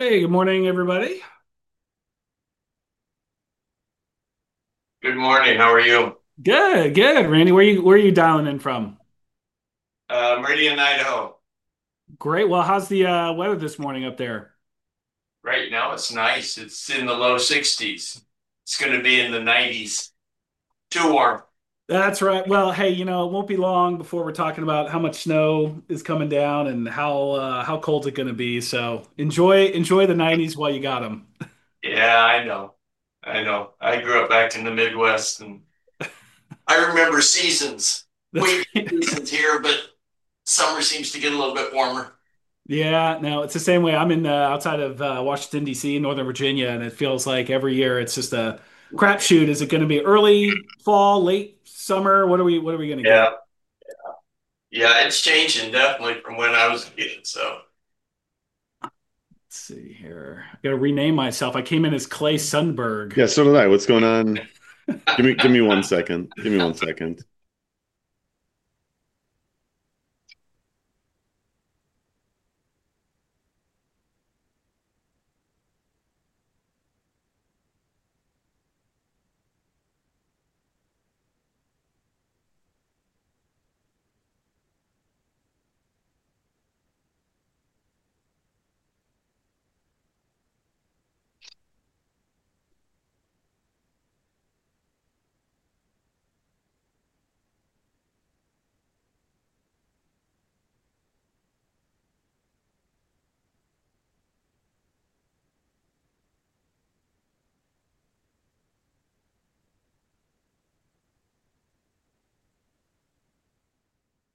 Hey. Good morning, everybody. Good morning. How are you? Good. Good. Randy, where are you dialing in from? Meridian, Idaho. Great. Well, how's the weather this morning up there? Right now, it's nice. It's in the low 60s. It's going to be in the 90s. Too warm. That's right. Well, hey, it won't be long before we're talking about how much snow is coming down and how cold it's going to be. So enjoy the 90s while you got them. Yeah, I know. I know. I grew up back in the Midwest, and I remember seasons. We've had seasons here, but summer seems to get a little bit warmer. Yeah. No, it's the same way. I'm outside of Washington, D.C., in Northern Virginia, and it feels like every year it's just a crapshoot. Is it going to be early fall, late summer? What are we going to get? Yeah. Yeah. Yeah. It's changing, definitely, from when I was a kid, so. Let's see here. I got to rename myself. I came in as Clay Sundberg. Yeah. So do I. What's going on? Give me one second. Give me one second.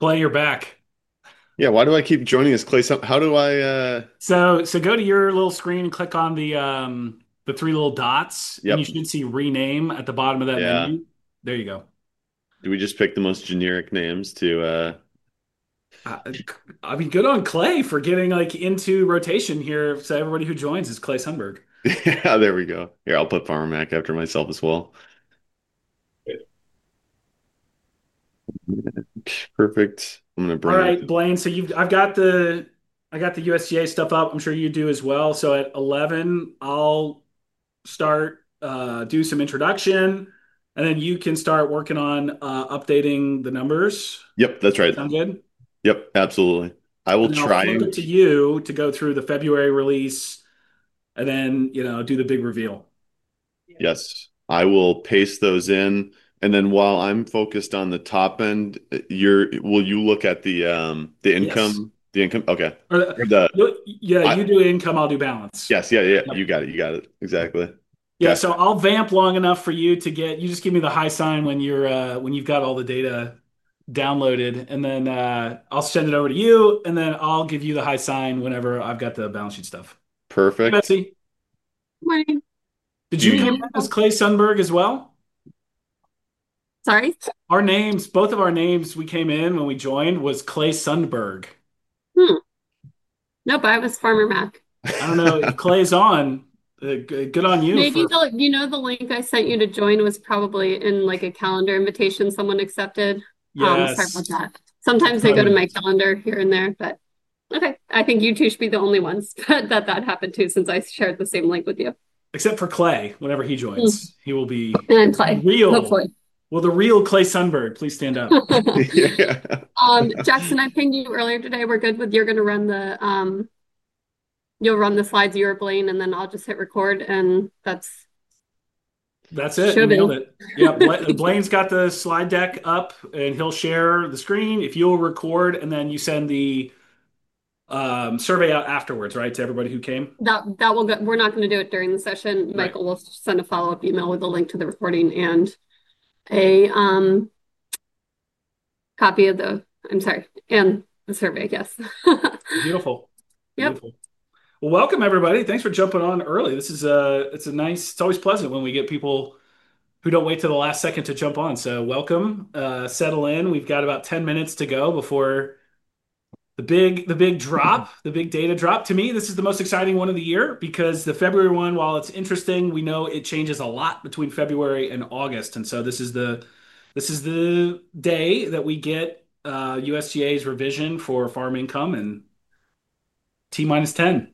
Clay, you're back. Yeah. Why do I keep joining as Clay? How do I? So go to your little screen and click on the three little dots, and you should see Rename at the bottom of that menu. There you go. Do we just pick the most generic names to? I mean, good on Clay for getting into rotation here. So everybody who joins is Clay Sundberg. Yeah. There we go. Here, I'll put Farmer Mac after myself as well. Perfect. I'm going to bring it. All right. Blaine, so I've got the USDA stuff up. I'm sure you do as well. So at 11:00 A.M., I'll start, do some introduction, and then you can start working on updating the numbers. Yep. That's right. Sound good? Yep. Absolutely. I will try and. It's over to you to go through the February release and then do the big reveal. Yes. I will paste those in, and then while I'm focused on the top end, will you look at the income? Yes. The income? Okay. Yeah. You do income. I'll do balance. Yes. Yeah. Yeah. You got it. You got it. Exactly. Yeah. So I'll vamp long enough for you to get. You just give me the high sign when you've got all the data downloaded, and then I'll send it over to you, and then I'll give you the high sign whenever I've got the balance sheet stuff. Perfect. Betsy? Good morning. Did you come in as Clay Sundberg as well? Sorry? Both of our names we came in when we joined was Clay Sundberg. Nope. I was Farmer Mac. I don't know. Clay's on. Good on you. Maybe the link I sent you to join was probably in a calendar invitation someone accepted. I'm sorry about that. Sometimes they go to my calendar here and there, but okay. I think you two should be the only ones that happened to since I shared the same link with you. Except for Clay, whenever he joins. He will be real. And then Clay. The real Clay Sundberg. Please stand up. Jackson, I pinged you earlier today. We're good with you're going to run the slides, you or Blaine, and then I'll just hit record, and that's it. That's it. We'll do it. Yeah. Blaine's got the slide deck up, and he'll share the screen. If you'll record and then you send the survey out afterwards, right, to everybody who came? We're not going to do it during the session. Michael will send a follow-up email with a link to the recording and a copy of the, I'm sorry, and the survey, I guess. Beautiful. Beautiful. Well, welcome, everybody. Thanks for jumping on early. It's a nice, it's always pleasant when we get people who don't wait till the last second to jump on. So welcome. Settle in. We've got about 10 minutes to go before the big drop, the big data drop. To me, this is the most exciting one of the year because the February one, while it's interesting, we know it changes a lot between February and August. And so this is the day that we get USDA's revision for farm income and T minus 10.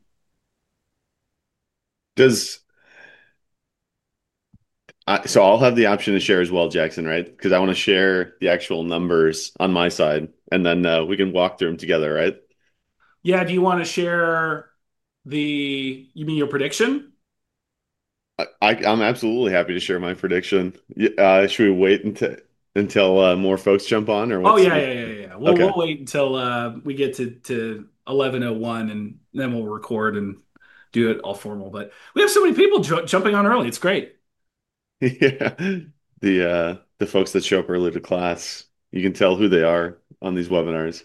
So I'll have the option to share as well, Jackson, right? Because I want to share the actual numbers on my side, and then we can walk through them together, right? Yeah. Do you want to share the—you mean your prediction? I'm absolutely happy to share my prediction. Should we wait until more folks jump on, or what's? Oh, yeah. We'll wait until we get to 11:01, and then we'll record and do it all formal. But we have so many people jumping on early. It's great. Yeah. The folks that show up early to class, you can tell who they are on these webinars.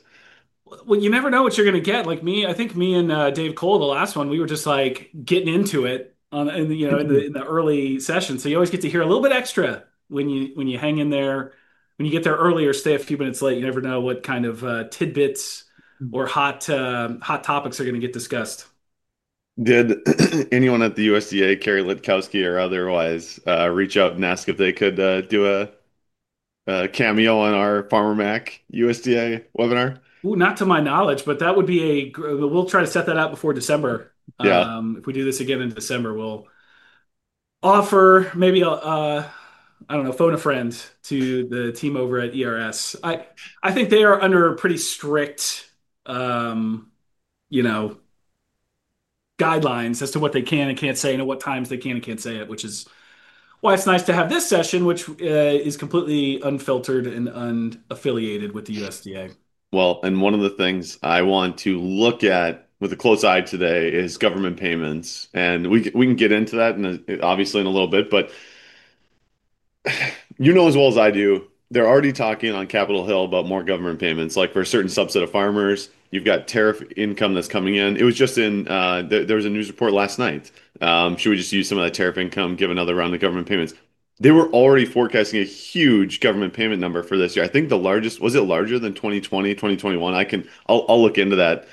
You never know what you're going to get. I think me and Dave Kohl, the last one, we were just getting into it in the early session. You always get to hear a little bit extra when you hang in there. When you get there earlier or stay a few minutes late, you never know what kind of tidbits or hot topics are going to get discussed. Did anyone at the USDA, Carrie Litkowski or otherwise, reach out and ask if they could do a cameo on our Farmer Mac USDA webinar? Not to my knowledge, but that would be—we'll try to set that up before December. If we do this again in December, we'll offer maybe—I don't know—phone a friend to the team over at ERS. I think they are under pretty strict guidelines as to what they can and can't say and at what times they can and can't say it, which is why it's nice to have this session, which is completely unfiltered and unaffiliated with the USDA. One of the things I want to look at with a close eye today is government payments. We can get into that, obviously, in a little bit. You know as well as I do, they're already talking on Capitol Hill about more government payments. For a certain subset of farmers, you've got tariff income that's coming in. It was just in, there was a news report last night. Should we just use some of that tariff income, give another round of government payments? They were already forecasting a huge government payment number for this year. I think the largest, was it larger than 2020, 2021? I'll look into that.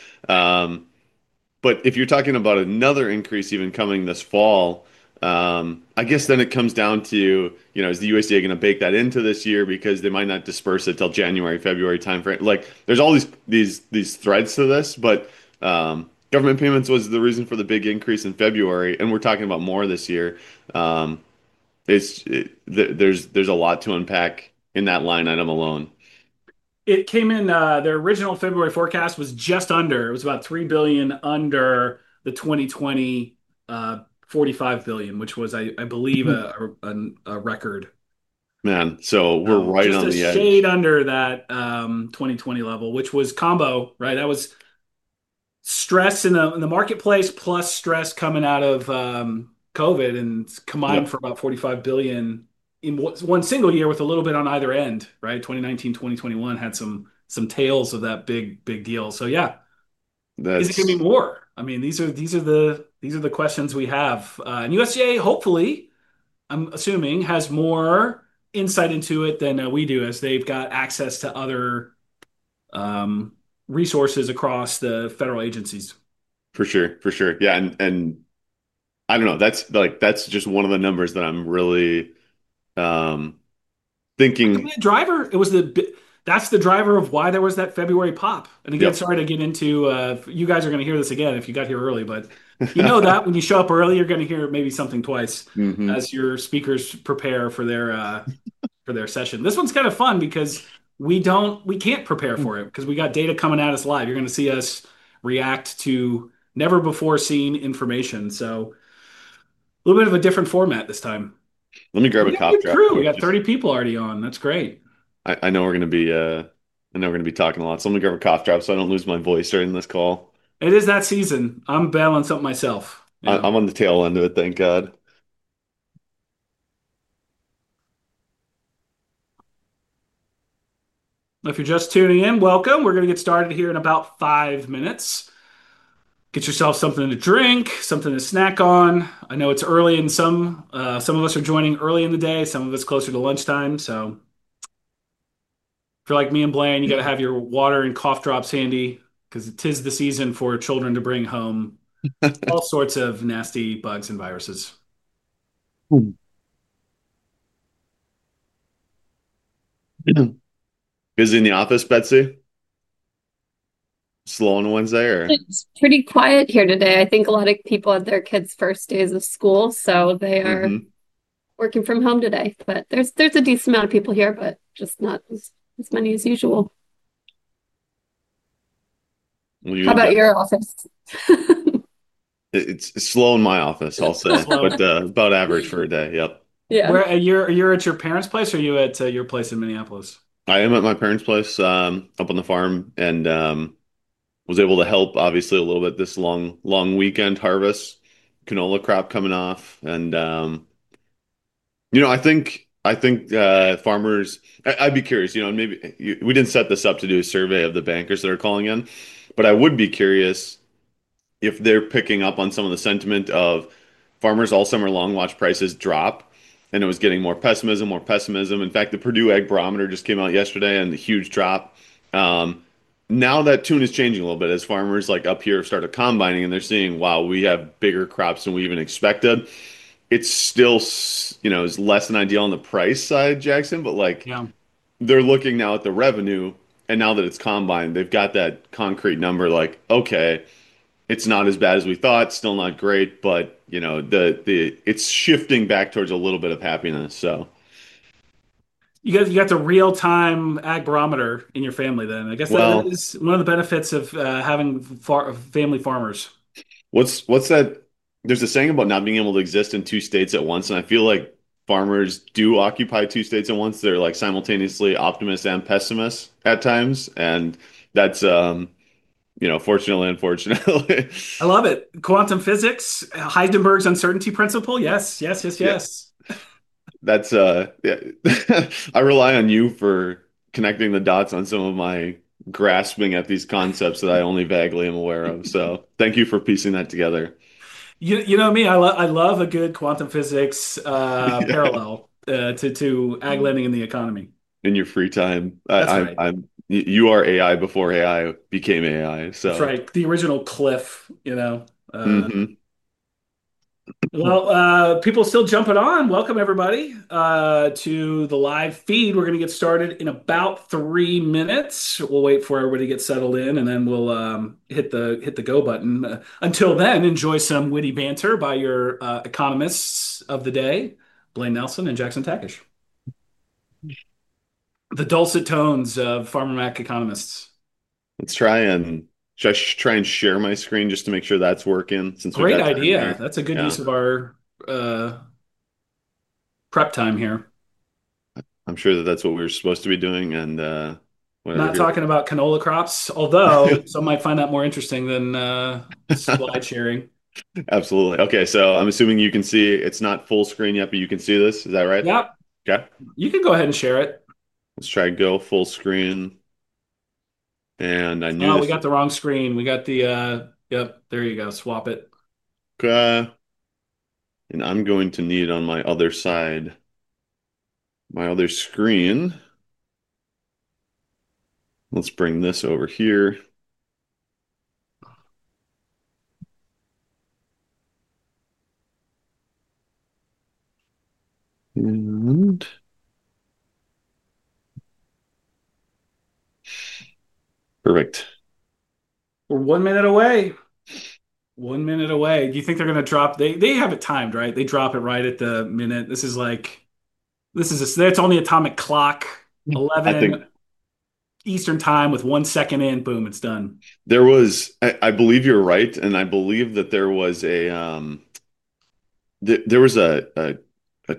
If you're talking about another increase even coming this fall, I guess then it comes down to, is the USDA going to bake that into this year because they might not disburse it till January, February timeframe? There's all these threads to this, but government payments was the reason for the big increase in February, and we're talking about more this year. There's a lot to unpack in that line item alone. It came in, their original February forecast was just under. It was about $3 billion under the 2020 $45 billion, which was, I believe, a record. Man, so we're right on the edge. So it stayed under that 2020 level, which was combo, right? That was stress in the marketplace plus stress coming out of COVID and combined for about $45 billion in one single year with a little bit on either end, right? 2019, 2021 had some tails of that big deal. So yeah. Is it going to be more? I mean, these are the questions we have. And USDA, hopefully, I'm assuming, has more insight into it than we do as they've got access to other resources across the federal agencies. For sure. For sure. Yeah, and I don't know. That's just one of the numbers that I'm really thinking. That's the driver of why there was that February pop, and again, sorry to get into—you guys are going to hear this again if you got here early, but you know that when you show up early, you're going to hear maybe something twice as your speakers prepare for their session. This one's kind of fun because we can't prepare for it because we got data coming at us live. You're going to see us react to never-before-seen information, so a little bit of a different format this time. Let me grab a cough drop. It's true. We got 30 people already on. That's great. I know we're going to be talking a lot. So let me grab a cough drop so I don't lose my voice during this call. It is that season. I'm balancing myself. I'm on the tail end of it, thank God. If you're just tuning in, welcome. We're going to get started here in about five minutes. Get yourself something to drink, something to snack on. I know it's early, and some of us are joining early in the day. Some of us closer to lunchtime. So if you're like me and Blaine, you got to have your water and cough drops handy because it is the season for children to bring home all sorts of nasty bugs and viruses. Is it in the office, Betsy? Slow on Wednesday, or? It's pretty quiet here today. I think a lot of people had their kids' first days of school, so they are working from home today. But there's a decent amount of people here, but just not as many as usual. How about your office? It's slow in my office, I'll say. But about average for a day. Yep. You're at your parents' place, or are you at your place in Minneapolis? I am at my parents' place up on the farm and was able to help, obviously, a little bit this long weekend harvest, canola crop coming off, and I think farmers—I'd be curious. We didn't set this up to do a survey of the bankers that are calling in, but I would be curious if they're picking up on some of the sentiment of farmers all summer long watching prices drop, and it was getting more pessimism, more pessimism. In fact, the Purdue Ag Barometer just came out yesterday and a huge drop. Now that tune is changing a little bit as farmers up here started combining, and they're seeing, "Wow, we have bigger crops than we even expected." It's still less than ideal on the price side, Jackson, but they're looking now at the revenue, and now that it's combined, they've got that concrete number like, "Okay. It's not as bad as we thought. Still not great, but it's shifting back towards a little bit of happiness," so. You got the real-time Ag Barometer in your family then. I guess that is one of the benefits of having family farmers. There's a saying about not being able to exist in two states at once, and I feel like farmers do occupy two states at once. They're simultaneously optimist and pessimist at times, and that's fortunately and unfortunately. I love it. Quantum physics, Heisenberg's uncertainty principle. Yes. Yes. Yes. Yes. I rely on you for connecting the dots on some of my grasping at these concepts that I only vaguely am aware of. So thank you for piecing that together. You know me. I love a good quantum physics parallel to ag landing in the economy. In your free time, you were AI before AI became AI, so. That's right. The original Cliff. Well, people still jumping on. Welcome, everybody, to the live feed. We're going to get started in about three minutes. We'll wait for everybody to get settled in, and then we'll hit the go button. Until then, enjoy some witty banter by your economists of the day, Blaine Nelson and Jackson Takach. The dulcet tones of Farmer Mac economists. Let's try and share my screen just to make sure that's working since we're not. Great idea. That's a good use of our prep time here. I'm sure that that's what we're supposed to be doing and whatever. Not talking about canola crops, although some might find that more interesting than slide sharing. Absolutely. Okay, so I'm assuming you can see it's not full screen yet, but you can see this. Is that right? Yep You can go ahead and share it. Let's try to go full screen, and I knew this. Oh, we got the wrong screen. Yep. There you go. Swap it. I'm going to need on my other side, my other screen. Let's bring this over here. Perfect. We're one minute away. One minute away. Do you think they're going to drop? They have it timed, right? They drop it right at the minute. This is like - that's only atomic clock 11:00 Eastern Time with one second in. Boom, it's done. There was. I believe you're right. And I believe that there was a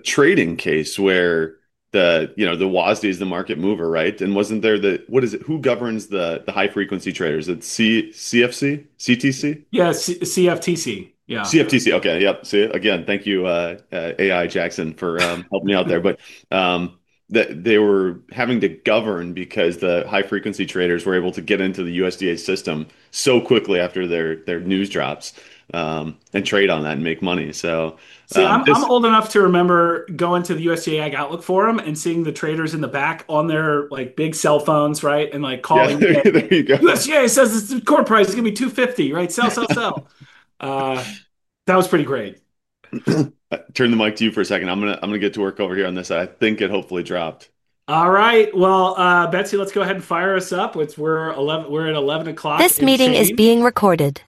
trading case where the WASDE is the market mover, right? And wasn't there the who governs the high-frequency traders? Is it the CFTC? Yeah. CFTC. Yeah. CFTC. Okay. Yep. See it? Again, thank you, AI, Jackson, for helping me out there. But they were having to govern because the high-frequency traders were able to get into the USDA system so quickly after their news drops and trade on that and make money. So. See, I'm old enough to remember going to the USDA Ag Outlook Forum and seeing the traders in the back on their big cell phones, right, and calling, the USDA says, "It's the corn price. It's going to be 250," right? Sell, sell, sell. That was pretty great. Turn the mic to you for a second. I'm going to get to work over here on this. I think it hopefully dropped. All right, well, Betsy, let's go ahead and fire us up. We're at 11:00. This meeting is being recorded.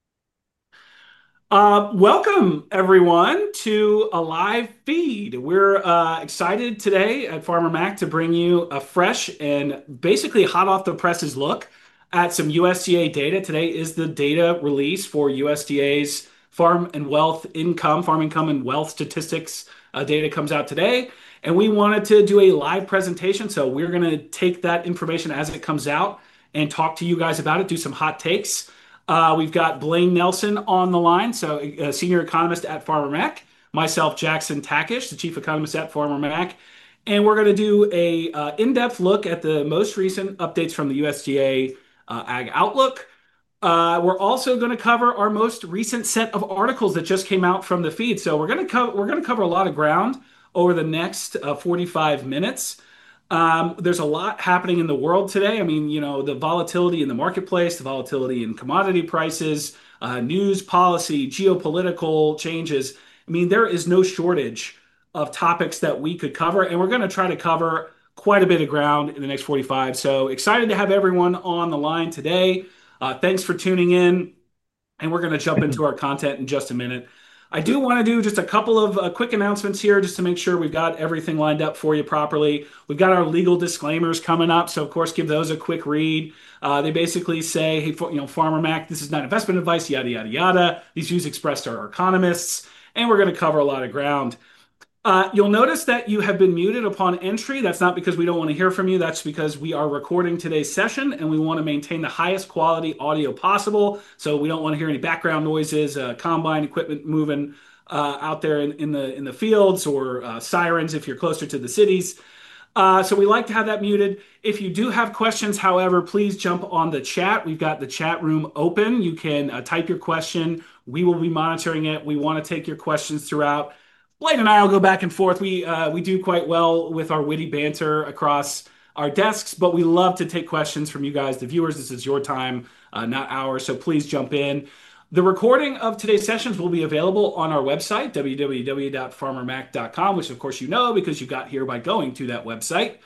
Welcome, everyone, to a live feed. We're excited today at Farmer Mac to bring you a fresh and basically hot off the presses look at some USDA data. Today is the data release for USDA's farm and wealth income, farm income and wealth statistics. Data comes out today, and we wanted to do a live presentation, so we're going to take that information as it comes out and talk to you guys about it, do some hot takes. We've got Blaine Nelson on the line, so a senior economist at Farmer Mac, myself, Jackson Takach, the chief economist at Farmer Mac, and we're going to do an in-depth look at the most recent updates from the USDA Ag Outlook. We're also going to cover our most recent set of articles that just came out from The Feed. So we're going to cover a lot of ground over the next 45 minutes. There's a lot happening in the world today. I mean, the volatility in the marketplace, the volatility in commodity prices, news policy, geopolitical changes. I mean, there is no shortage of topics that we could cover. And we're going to try to cover quite a bit of ground in the next 45. So excited to have everyone on the line today. Thanks for tuning in. And we're going to jump into our content in just a minute. I do want to do just a couple of quick announcements here just to make sure we've got everything lined up for you properly. We've got our legal disclaimers coming up. So, of course, give those a quick read. They basically say, "Hey, Farmer Mac, this is not investment advice, yada, yada, yada. These views expressed are our economists. And we're going to cover a lot of ground." You'll notice that you have been muted upon entry. That's not because we don't want to hear from you. That's because we are recording today's session, and we want to maintain the highest quality audio possible. So we don't want to hear any background noises, combine equipment moving out there in the fields, or sirens if you're closer to the cities. So we like to have that muted. If you do have questions, however, please jump on the chat. We've got the chat room open. You can type your question. We will be monitoring it. We want to take your questions throughout. Blaine and I will go back and forth. We do quite well with our witty banter across our desks, but we love to take questions from you guys, the viewers. This is your time, not ours. So please jump in. The recording of today's sessions will be available on our website, www.farmermac.com, which, of course, you know because you got here by going to that website.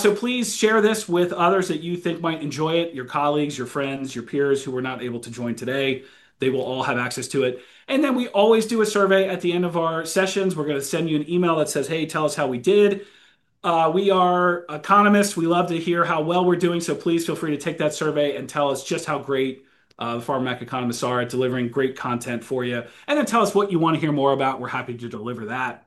So please share this with others that you think might enjoy it, your colleagues, your friends, your peers who were not able to join today. They will all have access to it. And then we always do a survey at the end of our sessions. We're going to send you an email that says, "Hey, tell us how we did." We are economists. We love to hear how well we're doing. So please feel free to take that survey and tell us just how great the Farmer Mac economists are at delivering great content for you. And then tell us what you want to hear more about. We're happy to deliver that.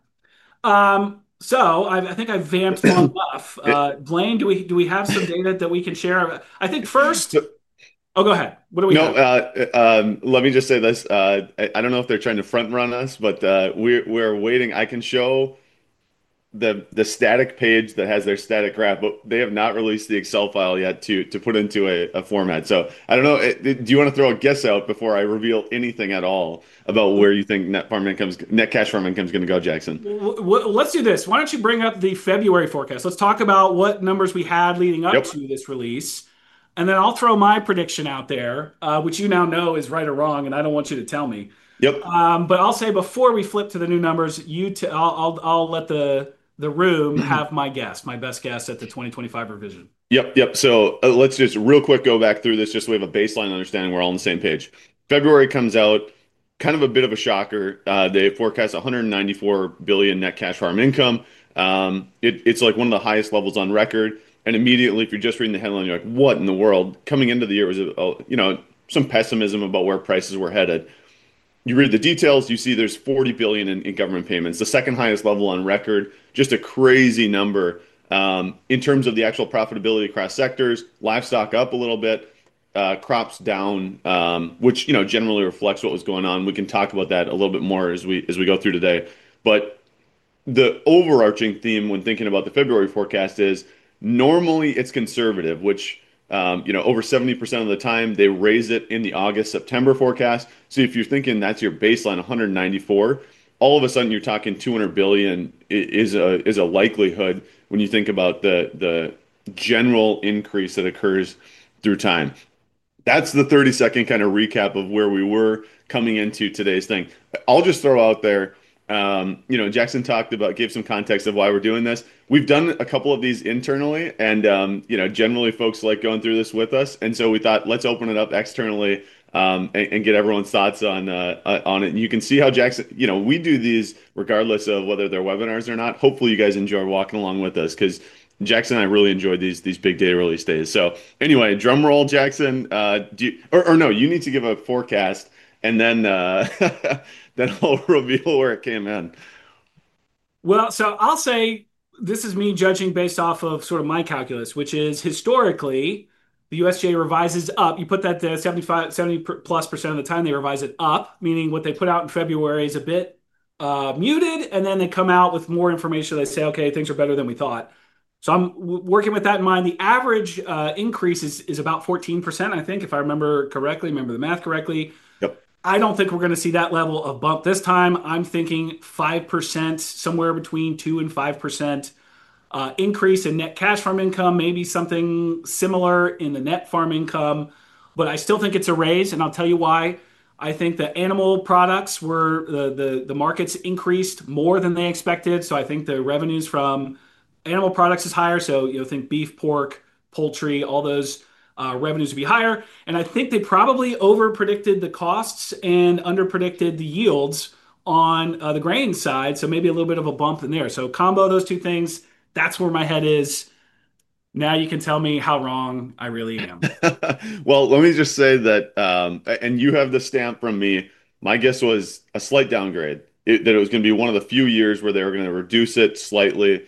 So I think I've vamped one rough. Blaine, do we have some data that we can share? I think first, oh, go ahead. What do we have? No. Let me just say this. I don't know if they're trying to front-run us, but we're waiting. I can show the static page that has their static graph, but they have not released the Excel file yet to put into a format. So I don't know. Do you want to throw a guess out before I reveal anything at all about where you think net cash farm income is going to go, Jackson? Let's do this. Why don't you bring up the February forecast? Let's talk about what numbers we had leading up to this release. And then I'll throw my prediction out there, which you now know is right or wrong, and I don't want you to tell me. But I'll say before we flip to the new numbers, I'll let the room have my guess, my best guess at the 2025 revision. Yep. Yep. So let's just real quick go back through this just so we have a baseline understanding we're all on the same page. February comes out kind of a bit of a shocker. They forecast $194 billion net cash farm income. It's like one of the highest levels on record. And immediately, if you're just reading the headline, you're like, "What in the world?" Coming into the year, it was some pessimism about where prices were headed. You read the details, you see there's $40 billion in government payments, the second highest level on record, just a crazy number. In terms of the actual profitability across sectors, livestock up a little bit, crops down, which generally reflects what was going on. We can talk about that a little bit more as we go through today. The overarching theme when thinking about the February forecast is normally it's conservative, which over 70% of the time they raise it in the August, September forecast. So if you're thinking that's your baseline, $194 billion, all of a sudden you're talking $200 billion is a likelihood when you think about the general increase that occurs through time. That's the 30-second kind of recap of where we were coming into today's thing. I'll just throw out there, Jackson talked about, gave some context of why we're doing this. We've done a couple of these internally, and generally folks like going through this with us. So we thought, "Let's open it up externally and get everyone's thoughts on it." You can see how we do these regardless of whether they're webinars or not. Hopefully, you guys enjoy walking along with us because Jackson and I really enjoy these big data release days. So anyway, drum roll, Jackson. Or no, you need to give a forecast, and then I'll reveal where it came in. So I'll say this is me judging based off of sort of my calculus, which is historically the USDA revises up. You put that to 70%+ of the time they revise it up, meaning what they put out in February is a bit muted, and then they come out with more information. They say, "Okay, things are better than we thought." So I'm working with that in mind. The average increase is about 14%, I think, if I remember correctly, remember the math correctly. I don't think we're going to see that level of bump this time. I'm thinking 5%, somewhere between 2% and 5% increase in net cash farm income, maybe something similar in the net farm income. But I still think it's a raise, and I'll tell you why. I think the animal products were the markets increased more than they expected. So I think the revenues from animal products is higher. So you'll think beef, pork, poultry, all those revenues would be higher. And I think they probably overpredicted the costs and underpredicted the yields on the grain side. So maybe a little bit of a bump in there. So combo those two things, that's where my head is. Now you can tell me how wrong I really am. Let me just say that, and you have the stamp from me. My guess was a slight downgrade, that it was going to be one of the few years where they were going to reduce it slightly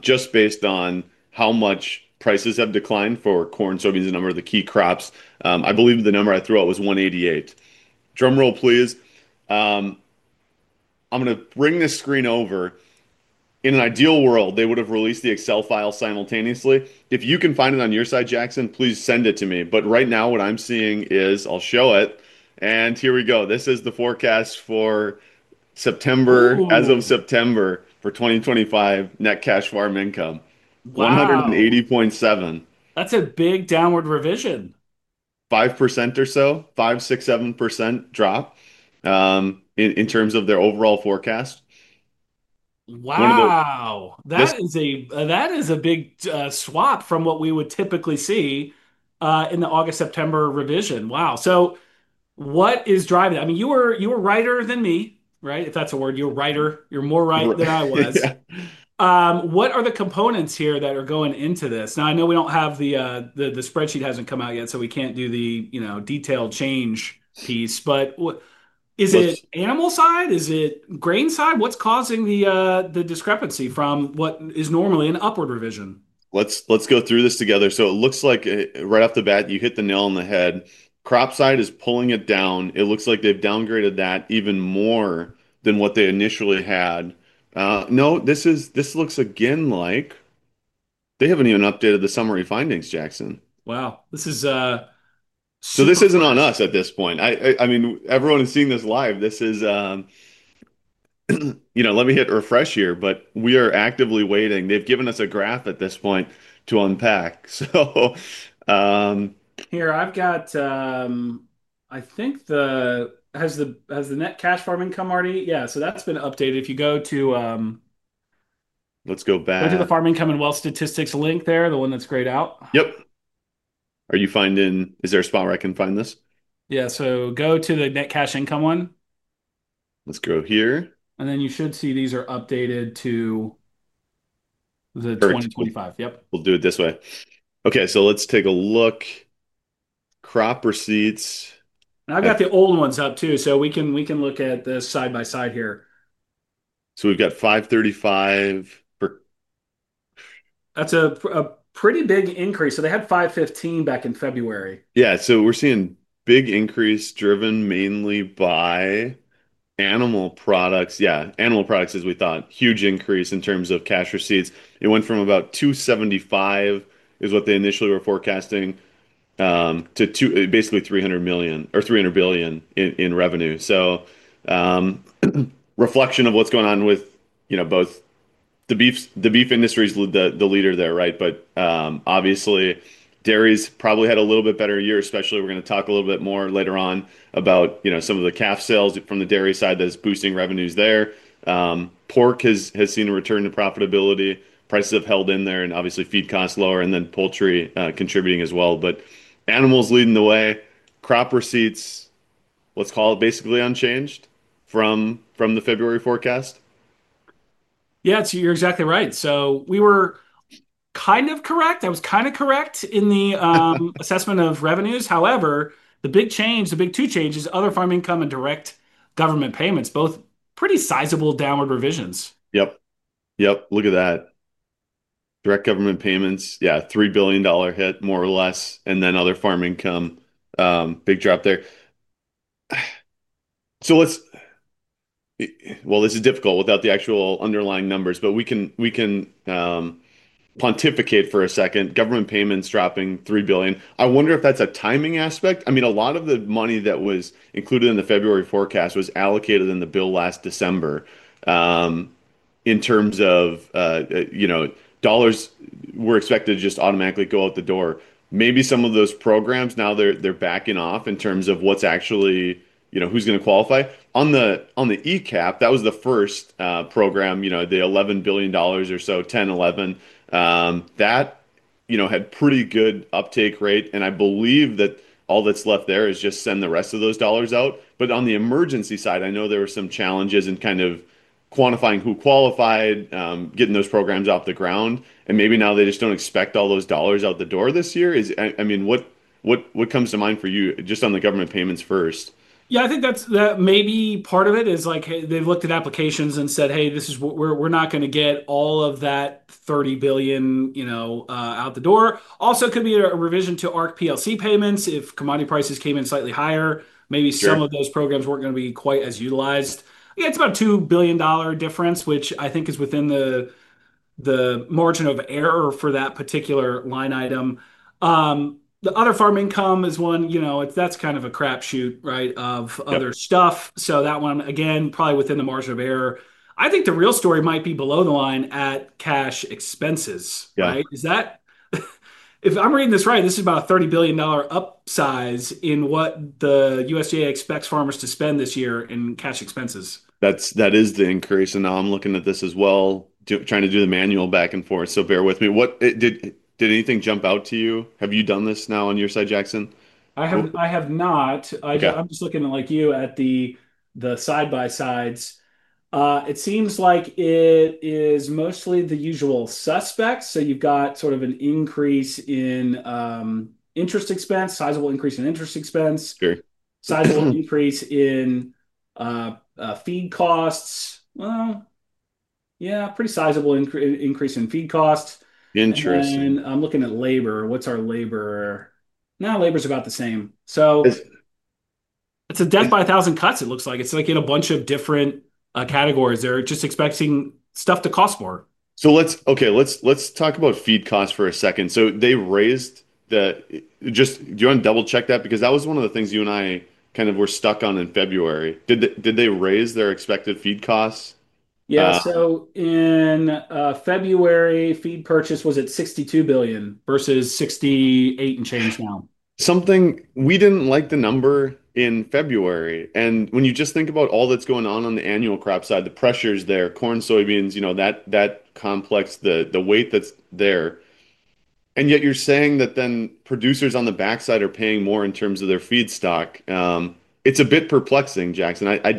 just based on how much prices have declined for corn, soybeans, and a number of the key crops. I believe the number I threw out was 188. Drum roll, please. I'm going to bring this screen over. In an ideal world, they would have released the Excel file simultaneously. If you can find it on your side, Jackson, please send it to me. But right now, what I'm seeing is I'll show it. Here we go. This is the forecast for September, as of September for 2025 net cash farm income, 180.7. That's a big downward revision. 5% or so, 5%-7% drop in terms of their overall forecast. Wow. That is a big swap from what we would typically see in the August, September revision. Wow. So what is driving it? I mean, you were righter than me, right? If that's a word, you're right. You're more right than I was. What are the components here that are going into this? Now, I know we don't have the spreadsheet. It hasn't come out yet, so we can't do the detailed change piece. But is it animal side? Is it grain side? What's causing the discrepancy from what is normally an upward revision? Let's go through this together. So it looks like right off the bat, you hit the nail on the head. Crop side is pulling it down. It looks like they've downgraded that even more than what they initially had. No, this looks again like they haven't even updated the summary findings, Jackson. Wow. So this isn't on us at this point. I mean, everyone is seeing this live. Let me hit refresh here, but we are actively waiting. They've given us a graph at this point to unpack. So. Here, I've got, I think, has the net cash farm income already? Yeah. So that's been updated. If you go to. Let's go back. Go to the Farm Income and Wealth Statistics link there, the one that's grayed out. Yep. Are you finding? Is there a spot where I can find this? Yeah, so go to the net cash income one. Let's go here. Then you should see these are updated to the 2025. Yep. We'll do it this way. Okay. So let's take a look. Crop receipts. And I've got the old ones up too. So we can look at this side by side here. We've got 535. That's a pretty big increase. So they had 515 back in February. Yeah. So we're seeing big increase driven mainly by animal products. Yeah. Animal products is we thought huge increase in terms of cash receipts. It went from about $275 billion, is what they initially were forecasting, to basically $300 million or $300 billion in revenue. So reflection of what's going on with both the beef industry is the leader there, right? But obviously, dairy's probably had a little bit better year, especially we're going to talk a little bit more later on about some of the calf sales from the dairy side that is boosting revenues there. Pork has seen a return to profitability. Prices have held in there and obviously feed costs lower and then poultry contributing as well. But animals leading the way, crop receipts, let's call it basically unchanged from the February forecast. Yeah. You're exactly right. So we were kind of correct. I was kind of correct in the assessment of revenues. However, the big change, the big two changes, other farm income and direct government payments, both pretty sizable downward revisions. Yep. Yep. Look at that. Direct government payments, yeah, $3 billion hit more or less. And then other farm income, big drop there. This is difficult without the actual underlying numbers, but we can pontificate for a second. Government payments dropping $3 billion. I wonder if that's a timing aspect. I mean, a lot of the money that was included in the February forecast was allocated in the bill last December in terms of dollars were expected to just automatically go out the door. Maybe some of those programs now they're backing off in terms of what's actually who's going to qualify. On the ECAP, that was the first program, the $11 billion or so, $10 billion-$11 billion, that had pretty good uptake rate. And I believe that all that's left there is just send the rest of those dollars out. But on the emergency side, I know there were some challenges in kind of quantifying who qualified, getting those programs off the ground. And maybe now they just don't expect all those dollars out the door this year. I mean, what comes to mind for you just on the government payments first? Yeah. I think that maybe part of it is they've looked at applications and said, "Hey, this is what we're not going to get all of that $30 billion out the door." Also could be a revision to ARC/PLC payments if commodity prices came in slightly higher. Maybe some of those programs weren't going to be quite as utilized. Yeah, it's about $2 billion difference, which I think is within the margin of error for that particular line item. The other farm income is one, that's kind of a crapshoot, right, of other stuff. So that one, again, probably within the margin of error. I think the real story might be below the line at cash expenses, right? If I'm reading this right, this is about a $30 billion upsize in what the USDA expects farmers to spend this year in cash expenses. That is the increase. And I'm looking at this as well, trying to do the manual back and forth. So bear with me. Did anything jump out to you? Have you done this now on your side, Jackson? I have not. I'm just looking at like you at the side by sides. It seems like it is mostly the usual suspects. So you've got sort of an increase in interest expense, sizable increase in interest expense, sizable increase in feed costs. Well, yeah, pretty sizable increase in feed costs. Interesting. And I'm looking at labor. What's our labor? No, labor's about the same. So it's a death by a thousand cuts, it looks like. It's like in a bunch of different categories. They're just expecting stuff to cost more. So, okay, let's talk about feed costs for a second. So they raised the just do you want to double-check that? Because that was one of the things you and I kind of were stuck on in February. Did they raise their expected feed costs? Yeah. So in February, feed purchase was at $62 billion versus $68 billion and change now. We didn't like the number in February. And when you just think about all that's going on on the annual crop side, the pressures there, corn, soybeans, that complex, the weight that's there. And yet you're saying that then producers on the backside are paying more in terms of their feed stock. It's a bit perplexing, Jackson. I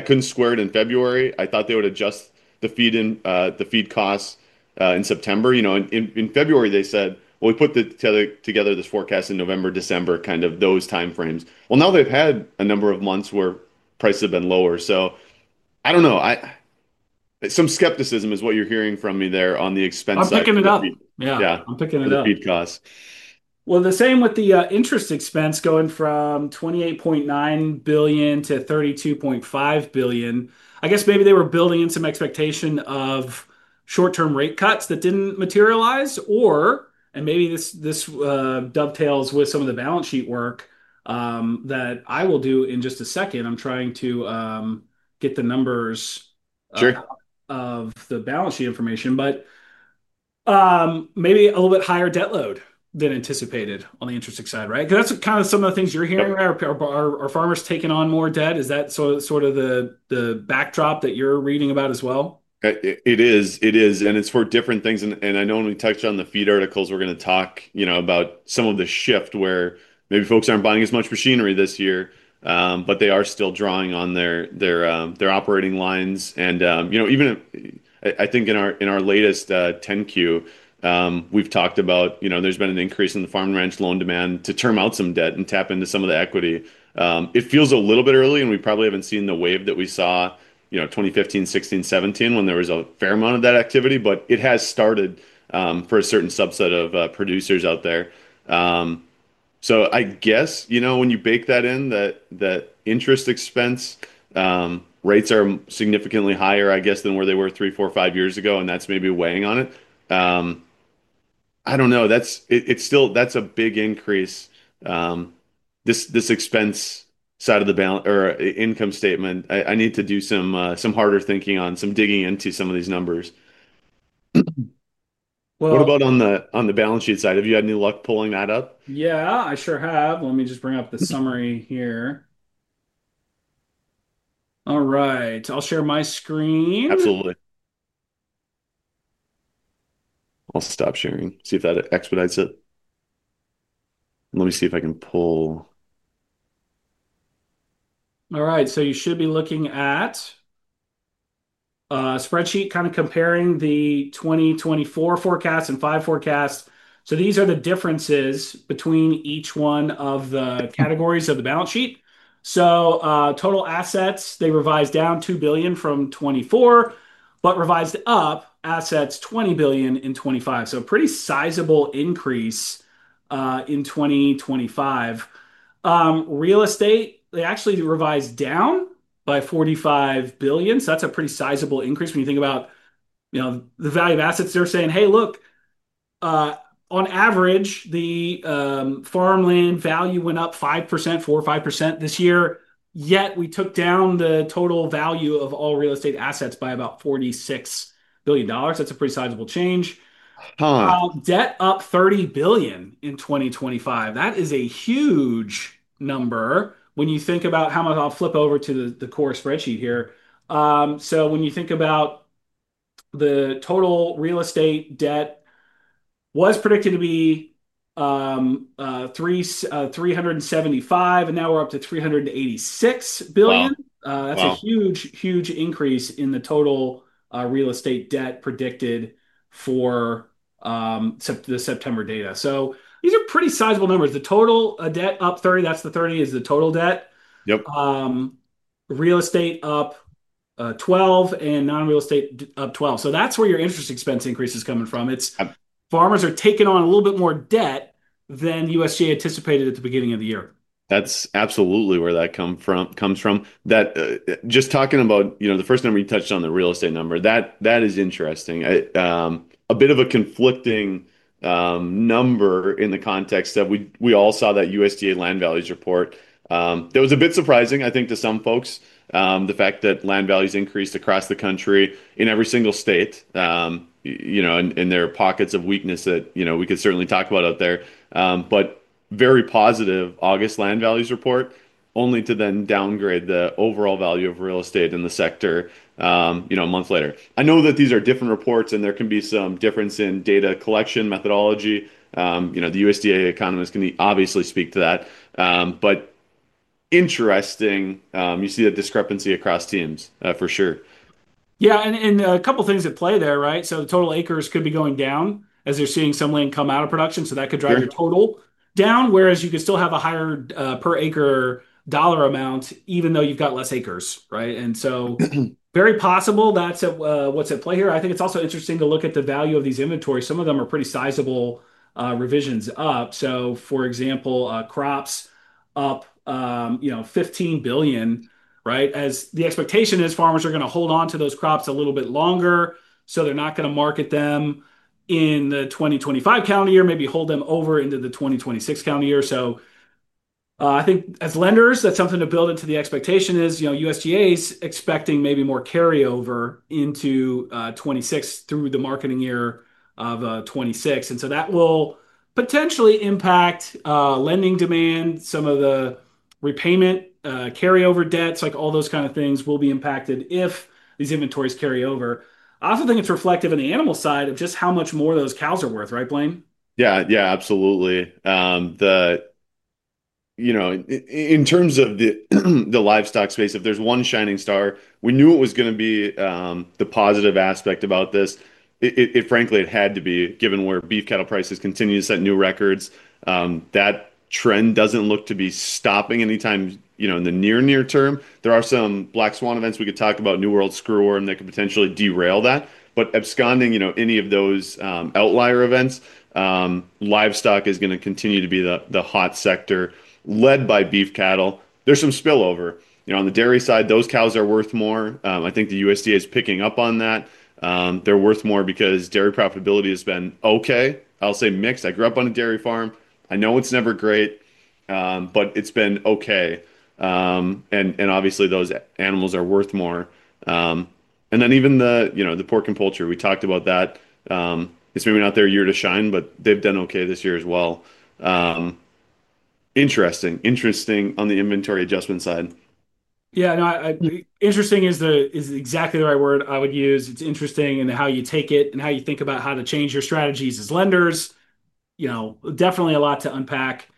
couldn't square it in February. I thought they would adjust the feed costs in September. In February, they said, "Well, we put together this forecast in November, December, kind of those time frames." Well, now they've had a number of months where prices have been lower. So I don't know. Some skepticism is what you're hearing from me there on the expense. I'm picking it up. Yeah. I'm picking it up. The feed costs. Well, the same with the interest expense going from $28.9 billion-$32.5 billion. I guess maybe they were building in some expectation of short-term rate cuts that didn't materialize. And maybe this dovetails with some of the balance sheet work that I will do in just a second. I'm trying to get the numbers of the balance sheet information, but maybe a little bit higher debt load than anticipated on the interest side, right? Because that's kind of some of the things you're hearing. Are farmers taking on more debt? Is that sort of the backdrop that you're reading about as well? It is. It is. And it's for different things. And I know when we touch on The Feed articles, we're going to talk about some of the shift where maybe folks aren't buying as much machinery this year, but they are still drawing on their operating lines. And even I think in our latest 10-Q, we've talked about there's been an increase in the Farm & Ranch loan demand to term out some debt and tap into some of the equity. It feels a little bit early, and we probably haven't seen the wave that we saw 2015, 2016, 2017 when there was a fair amount of that activity, but it has started for a certain subset of producers out there. So I guess when you bake that in, that interest expense rates are significantly higher, I guess, than where they were three, four, five years ago, and that's maybe weighing on it. I don't know. That's a big increase. This expense side of the income statement, I need to do some harder thinking on some digging into some of these numbers. What about on the balance sheet side? Have you had any luck pulling that up? Yeah, I sure have. Let me just bring up the summary here. All right. I'll share my screen. Absolutely. I'll stop sharing. See if that expedites it. Let me see if I can pull. All right. So you should be looking at a spreadsheet kind of comparing the 2024 forecast and five forecasts. So these are the differences between each one of the categories of the balance sheet. So total assets, they revise down $2 billion from 2024, but revised up assets $20 billion in 2025. So a pretty sizable increase in 2025. Real estate, they actually revised down by $45 billion. So that's a pretty sizable increase when you think about the value of assets. They're saying, "Hey, look, on average, the farmland value went up 5%, 4%, 5% this year. Yet we took down the total value of all real estate assets by about $46 billion." That's a pretty sizable change. Debt up $30 billion in 2025. That is a huge number when you think about how much I'll flip over to the core spreadsheet here. So when you think about the total real estate debt was predicted to be $375, and now we're up to $386 billion. That's a huge, huge increase in the total real estate debt predicted for the September data. So these are pretty sizable numbers. The total debt up $30 billion, that's the 30 is the total debt. Real estate up $12 billion and non-real estate up $12 billion. So that's where your interest expense increase is coming from. Farmers are taking on a little bit more debt than USDA anticipated at the beginning of the year. That's absolutely where that comes from. Just talking about the first number you touched on, the real estate number, that is interesting. A bit of a conflicting number in the context of we all saw that USDA land values report. That was a bit surprising, I think, to some folks, the fact that land values increased across the country in every single state, and their pockets of weakness that we could certainly talk about out there. But very positive August land values report, only to then downgrade the overall value of real estate in the sector a month later. I know that these are different reports, and there can be some difference in data collection methodology. The USDA economists can obviously speak to that. But interesting, you see the discrepancy across teams for sure. Yeah. And a couple of things at play there, right? So the total acres could be going down as they're seeing some land come out of production. So that could drive your total down, whereas you could still have a higher per acre dollar amount even though you've got less acres, right? And so very possible that's what's at play here. I think it's also interesting to look at the value of these inventories. Some of them are pretty sizable revisions up. So for example, crops up $15 billion, right? The expectation is farmers are going to hold on to those crops a little bit longer. So they're not going to market them in the 2025 calendar year, maybe hold them over into the 2026 calendar year. So I think as lenders, that's something to build into the expectation is USDA's expecting maybe more carryover into 2026 through the marketing year of 2026. And so that will potentially impact lending demand, some of the repayment, carryover debts, like all those kinds of things will be impacted if these inventories carry over. I also think it's reflective on the animal side of just how much more those cows are worth, right, Blaine? Yeah. Yeah, absolutely. In terms of the livestock space, if there's one shining star, we knew it was going to be the positive aspect about this. Frankly, it had to be given where beef cattle prices continue to set new records. That trend doesn't look to be stopping anytime in the near-near term. There are some black swan events we could talk about, New World screwworm, that could potentially derail that. But absent any of those outlier events, livestock is going to continue to be the hot sector led by beef cattle. There's some spillover. On the dairy side, those cows are worth more. I think the USDA is picking up on that. They're worth more because dairy profitability has been okay. I'll say mixed. I grew up on a dairy farm. I know it's never great, but it's been okay, and obviously, those animals are worth more. And then even the pork and poultry, we talked about that. It's maybe not their year to shine, but they've done okay this year as well. Interesting. Interesting on the inventory adjustment side. Yeah. Interesting is exactly the right word I would use. It's interesting in how you take it and how you think about how to change your strategies as lenders. Definitely a lot to unpack.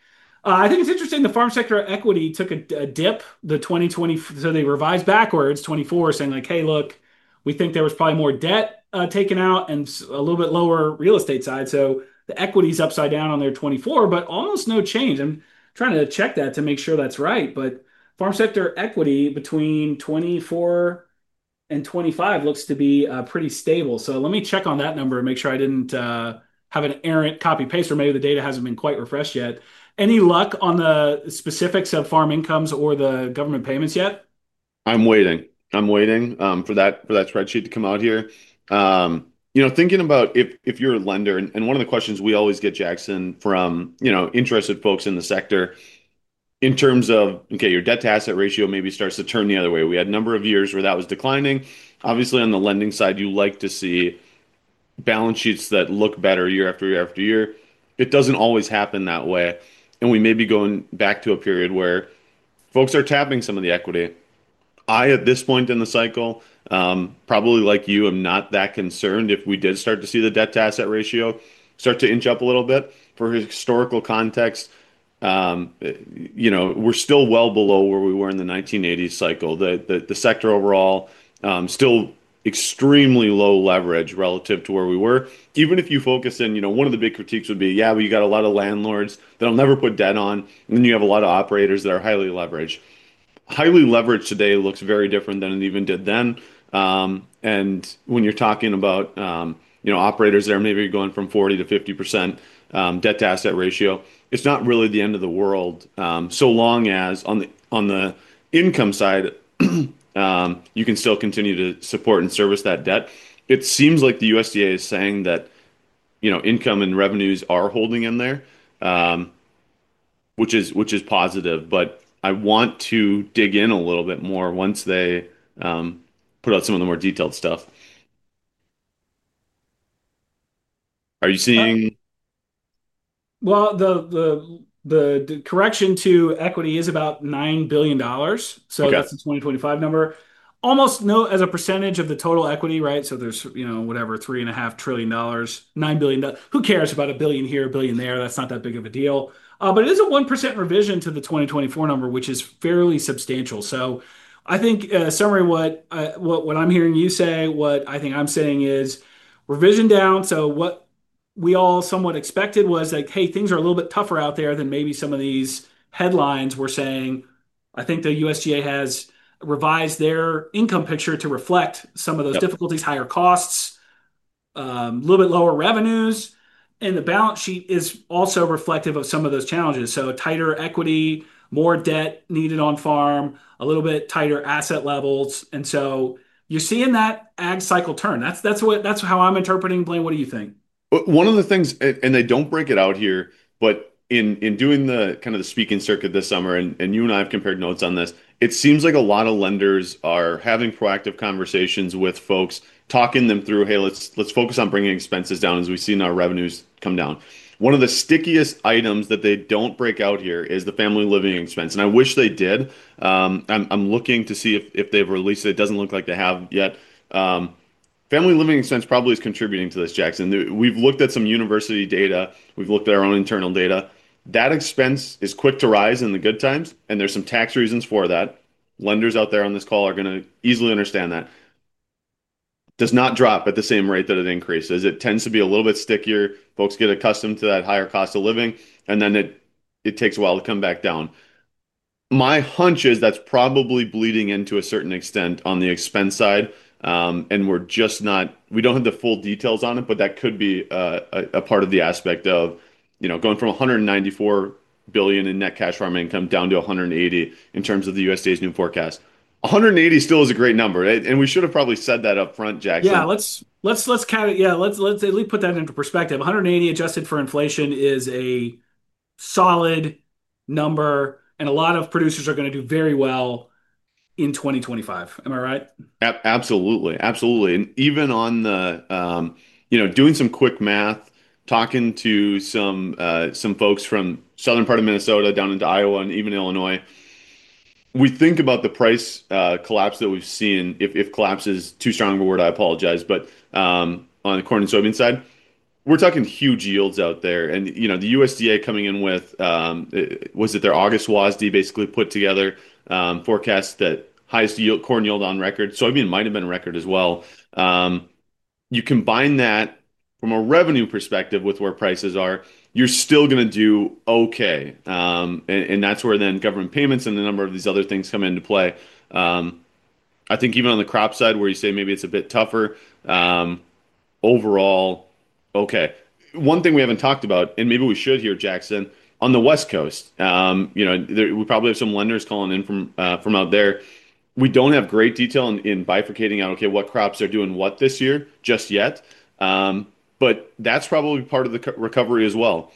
I think it's interesting. The farm sector equity took a dip in 2020. So they revised backwards 2024 saying like, "Hey, look, we think there was probably more debt taken out and a little bit lower real estate side." So the equity is upside down on their 2024, but almost no change. I'm trying to check that to make sure that's right. But farm sector equity between 2024 and 2025 looks to be pretty stable. So let me check on that number and make sure I didn't have an errant copy-paste or maybe the data hasn't been quite refreshed yet. Any luck on the specifics of farm incomes or the government payments yet? I'm waiting. I'm waiting for that spreadsheet to come out here. Thinking about if you're a lender, and one of the questions we always get, Jackson, from interested folks in the sector in terms of, okay, your debt-to-asset ratio maybe starts to turn the other way. We had a number of years where that was declining. Obviously, on the lending side, you like to see balance sheets that look better year after year after year. It doesn't always happen that way. And we may be going back to a period where folks are tapping some of the equity. I, at this point in the cycle, probably like you, am not that concerned if we did start to see the debt-to-asset ratio start to inch up a little bit. For historical context, we're still well below where we were in the 1980s cycle. The sector overall still extremely low leverage relative to where we were. Even if you focus in, one of the big critiques would be, "Yeah, we got a lot of landlords that I'll never put debt on." And then you have a lot of operators that are highly leveraged. Highly leveraged today looks very different than it even did then. And when you're talking about operators that are maybe going from 40%-50% debt-to-asset ratio, it's not really the end of the world so long as on the income side, you can still continue to support and service that debt. It seems like the USDA is saying that income and revenues are holding in there, which is positive. But I want to dig in a little bit more once they put out some of the more detailed stuff. Are you seeing? The correction to equity is about $9 billion. So that's the 2025 number. Almost no as a percentage of the total equity, right? So there's whatever, $3.5 trillion, $9 billion. Who cares about a billion here, a billion there? That's not that big of a deal. But it is a 1% revision to the 2024 number, which is fairly substantial. So I think summary what I'm hearing you say, what I think I'm saying is revision down. So what we all somewhat expected was like, "Hey, things are a little bit tougher out there than maybe some of these headlines were saying." I think the USDA has revised their income picture to reflect some of those difficulties, higher costs, a little bit lower revenues, and the balance sheet is also reflective of some of those challenges. So tighter equity, more debt needed on farm, a little bit tighter asset levels. And so you're seeing that ag cycle turn. That's how I'm interpreting it. Blaine, what do you think? One of the things, and they don't break it out here, but in doing the kind of the speaking circuit this summer, and you and I have compared notes on this, it seems like a lot of lenders are having proactive conversations with folks, talking them through, "Hey, let's focus on bringing expenses down as we've seen our revenues come down." One of the stickiest items that they don't break out here is the family living expense, and I wish they did. I'm looking to see if they've released it. It doesn't look like they have yet. Family living expense probably is contributing to this, Jackson. We've looked at some university data. We've looked at our own internal data. That expense is quick to rise in the good times, and there's some tax reasons for that. Lenders out there on this call are going to easily understand that. does not drop at the same rate that it increases. It tends to be a little bit stickier. Folks get accustomed to that higher cost of living, and then it takes a while to come back down. My hunch is that's probably bleeding into a certain extent on the expense side, and we're just not, we don't have the full details on it, but that could be a part of the aspect of going from $194 billion in net cash farm income down to $180 billion in terms of the USDA's new forecast. $180 billion still is a great number, and we should have probably said that upfront, Jackson. Let's at least put that into perspective. 180 adjusted for inflation is a solid number. A lot of producers are going to do very well in 2025. Am I right? Absolutely. Absolutely. Even on the, doing some quick math, talking to some folks from southern part of Minnesota down into Iowa and even Illinois, we think about the price collapse that we've seen. If collapse is too strong a word, I apologize, but on the corn and soybean side, we're talking huge yields out there. The USDA coming in with, was it their August WASDE, basically put together forecast that highest corn yield on record? Soybean might have been record as well. You combine that from a revenue perspective with where prices are, you're still going to do okay. That's where then government payments and the number of these other things come into play. I think even on the crop side where you say maybe it's a bit tougher, overall, okay. One thing we haven't talked about, and maybe we should here, Jackson, on the West Coast, we probably have some lenders calling in from out there. We don't have great detail in bifurcating out, okay, what crops are doing what this year just yet. But that's probably part of the recovery as well.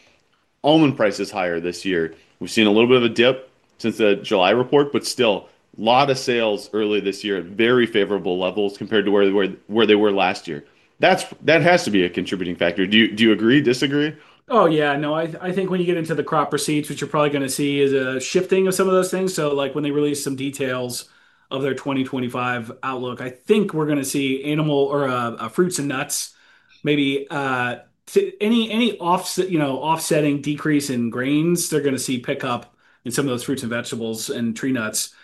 Almond price is higher this year. We've seen a little bit of a dip since the July report, but still a lot of sales early this year, very favorable levels compared to where they were last year. That has to be a contributing factor. Do you agree, disagree? Oh, yeah. No, I think when you get into the crop receipts, which you're probably going to see is a shifting of some of those things. So when they release some details of their 2025 outlook, I think we're going to see animal or fruits and nuts, maybe any offsetting decrease in grains, they're going to see pickup in some of those fruits and vegetables and tree nuts.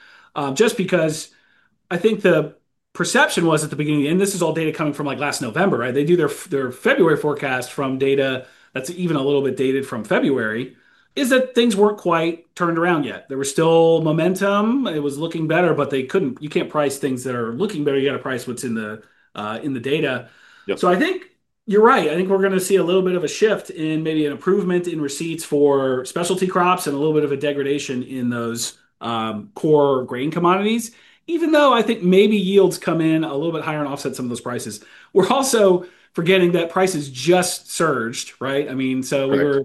Just because I think the perception was at the beginning, and this is all data coming from last November, right? They do their February forecast from data that's even a little bit dated from February is that things weren't quite turned around yet. There was still momentum. It was looking better, but they couldn't, you can't price things that are looking better. You got to price what's in the data. So I think you're right. I think we're going to see a little bit of a shift in maybe an improvement in receipts for specialty crops and a little bit of a degradation in those core grain commodities, even though I think maybe yields come in a little bit higher and offset some of those prices. We're also forgetting that prices just surged, right? I mean, so we were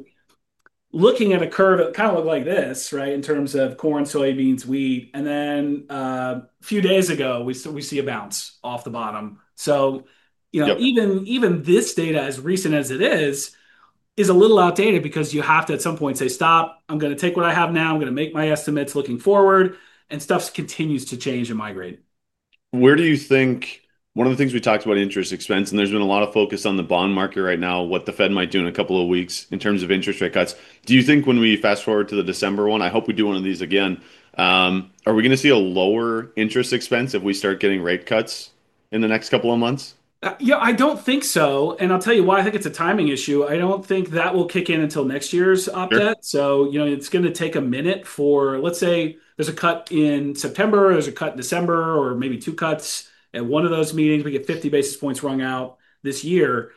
looking at a curve that kind of looked like this, right, in terms of corn, soybeans, wheat. And then a few days ago, we see a bounce off the bottom. So even this data, as recent as it is, is a little outdated because you have to at some point say, "Stop. I'm going to take what I have now. I'm going to make my estimates looking forward." And stuff continues to change and migrate. Where do you think one of the things we talked about interest expense, and there's been a lot of focus on the bond market right now, what the Fed might do in a couple of weeks in terms of interest rate cuts? Do you think when we fast forward to the December one, I hope we do one of these again, are we going to see a lower interest expense if we start getting rate cuts in the next couple of months? Yeah, I don't think so. And I'll tell you why I think it's a timing issue. I don't think that will kick in until next year's op note. So it's going to take a minute for, let's say there's a cut in September, there's a cut in December, or maybe two cuts at one of those meetings, we get 50 basis points wrung out this year.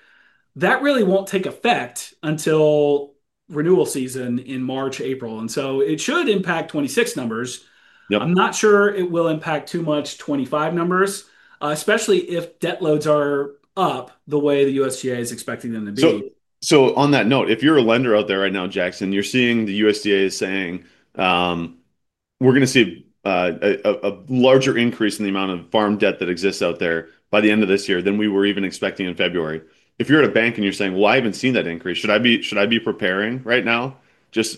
That really won't take effect until renewal season in March, April. And so it should impact 2026 numbers. I'm not sure it will impact too much 2025 numbers, especially if debt loads are up the way the USDA is expecting them to be. So on that note, if you're a lender out there right now, Jackson, you're seeing the USDA is saying we're going to see a larger increase in the amount of farm debt that exists out there by the end of this year than we were even expecting in February. If you're at a bank and you're saying, "Well, I haven't seen that increase, should I be preparing right now?" Just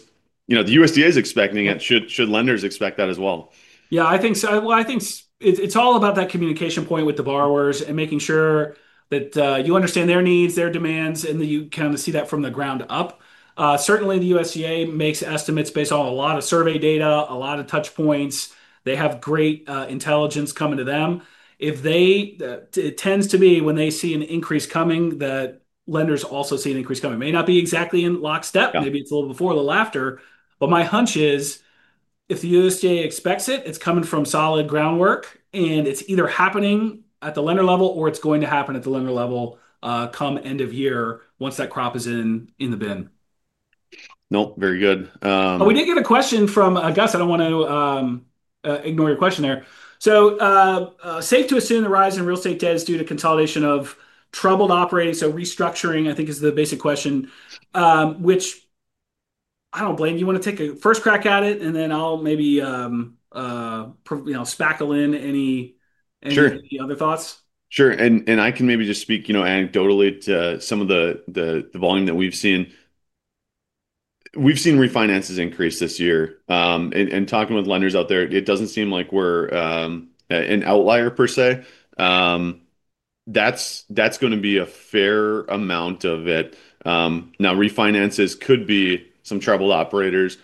the USDA is expecting it. Should lenders expect that as well? Yeah, I think so. Well, I think it's all about that communication point with the borrowers and making sure that you understand their needs, their demands, and that you kind of see that from the ground up. Certainly, the USDA makes estimates based on a lot of survey data, a lot of touchpoints. They have great intelligence coming to them. It tends to be when they see an increase coming that lenders also see an increase coming. It may not be exactly in lockstep. Maybe it's a little before the latter. But my hunch is if the USDA expects it, it's coming from solid groundwork, and it's either happening at the lender level or it's going to happen at the lender level come end of year once that crop is in the bin. Nope. Very good. We did get a question from Gus. I don't want to ignore your question there, so safe to assume the rise in real estate debt is due to consolidation of troubled operating, so restructuring, I think, is the basic question, which I don't blame you. You want to take a first crack at it, and then I'll maybe spackle in any other thoughts. Sure. And I can maybe just speak anecdotally to some of the volume that we've seen. We've seen refinances increase this year. And talking with lenders out there, it doesn't seem like we're an outlier per se. That's going to be a fair amount of it. Now, refinances could be some troubled operators.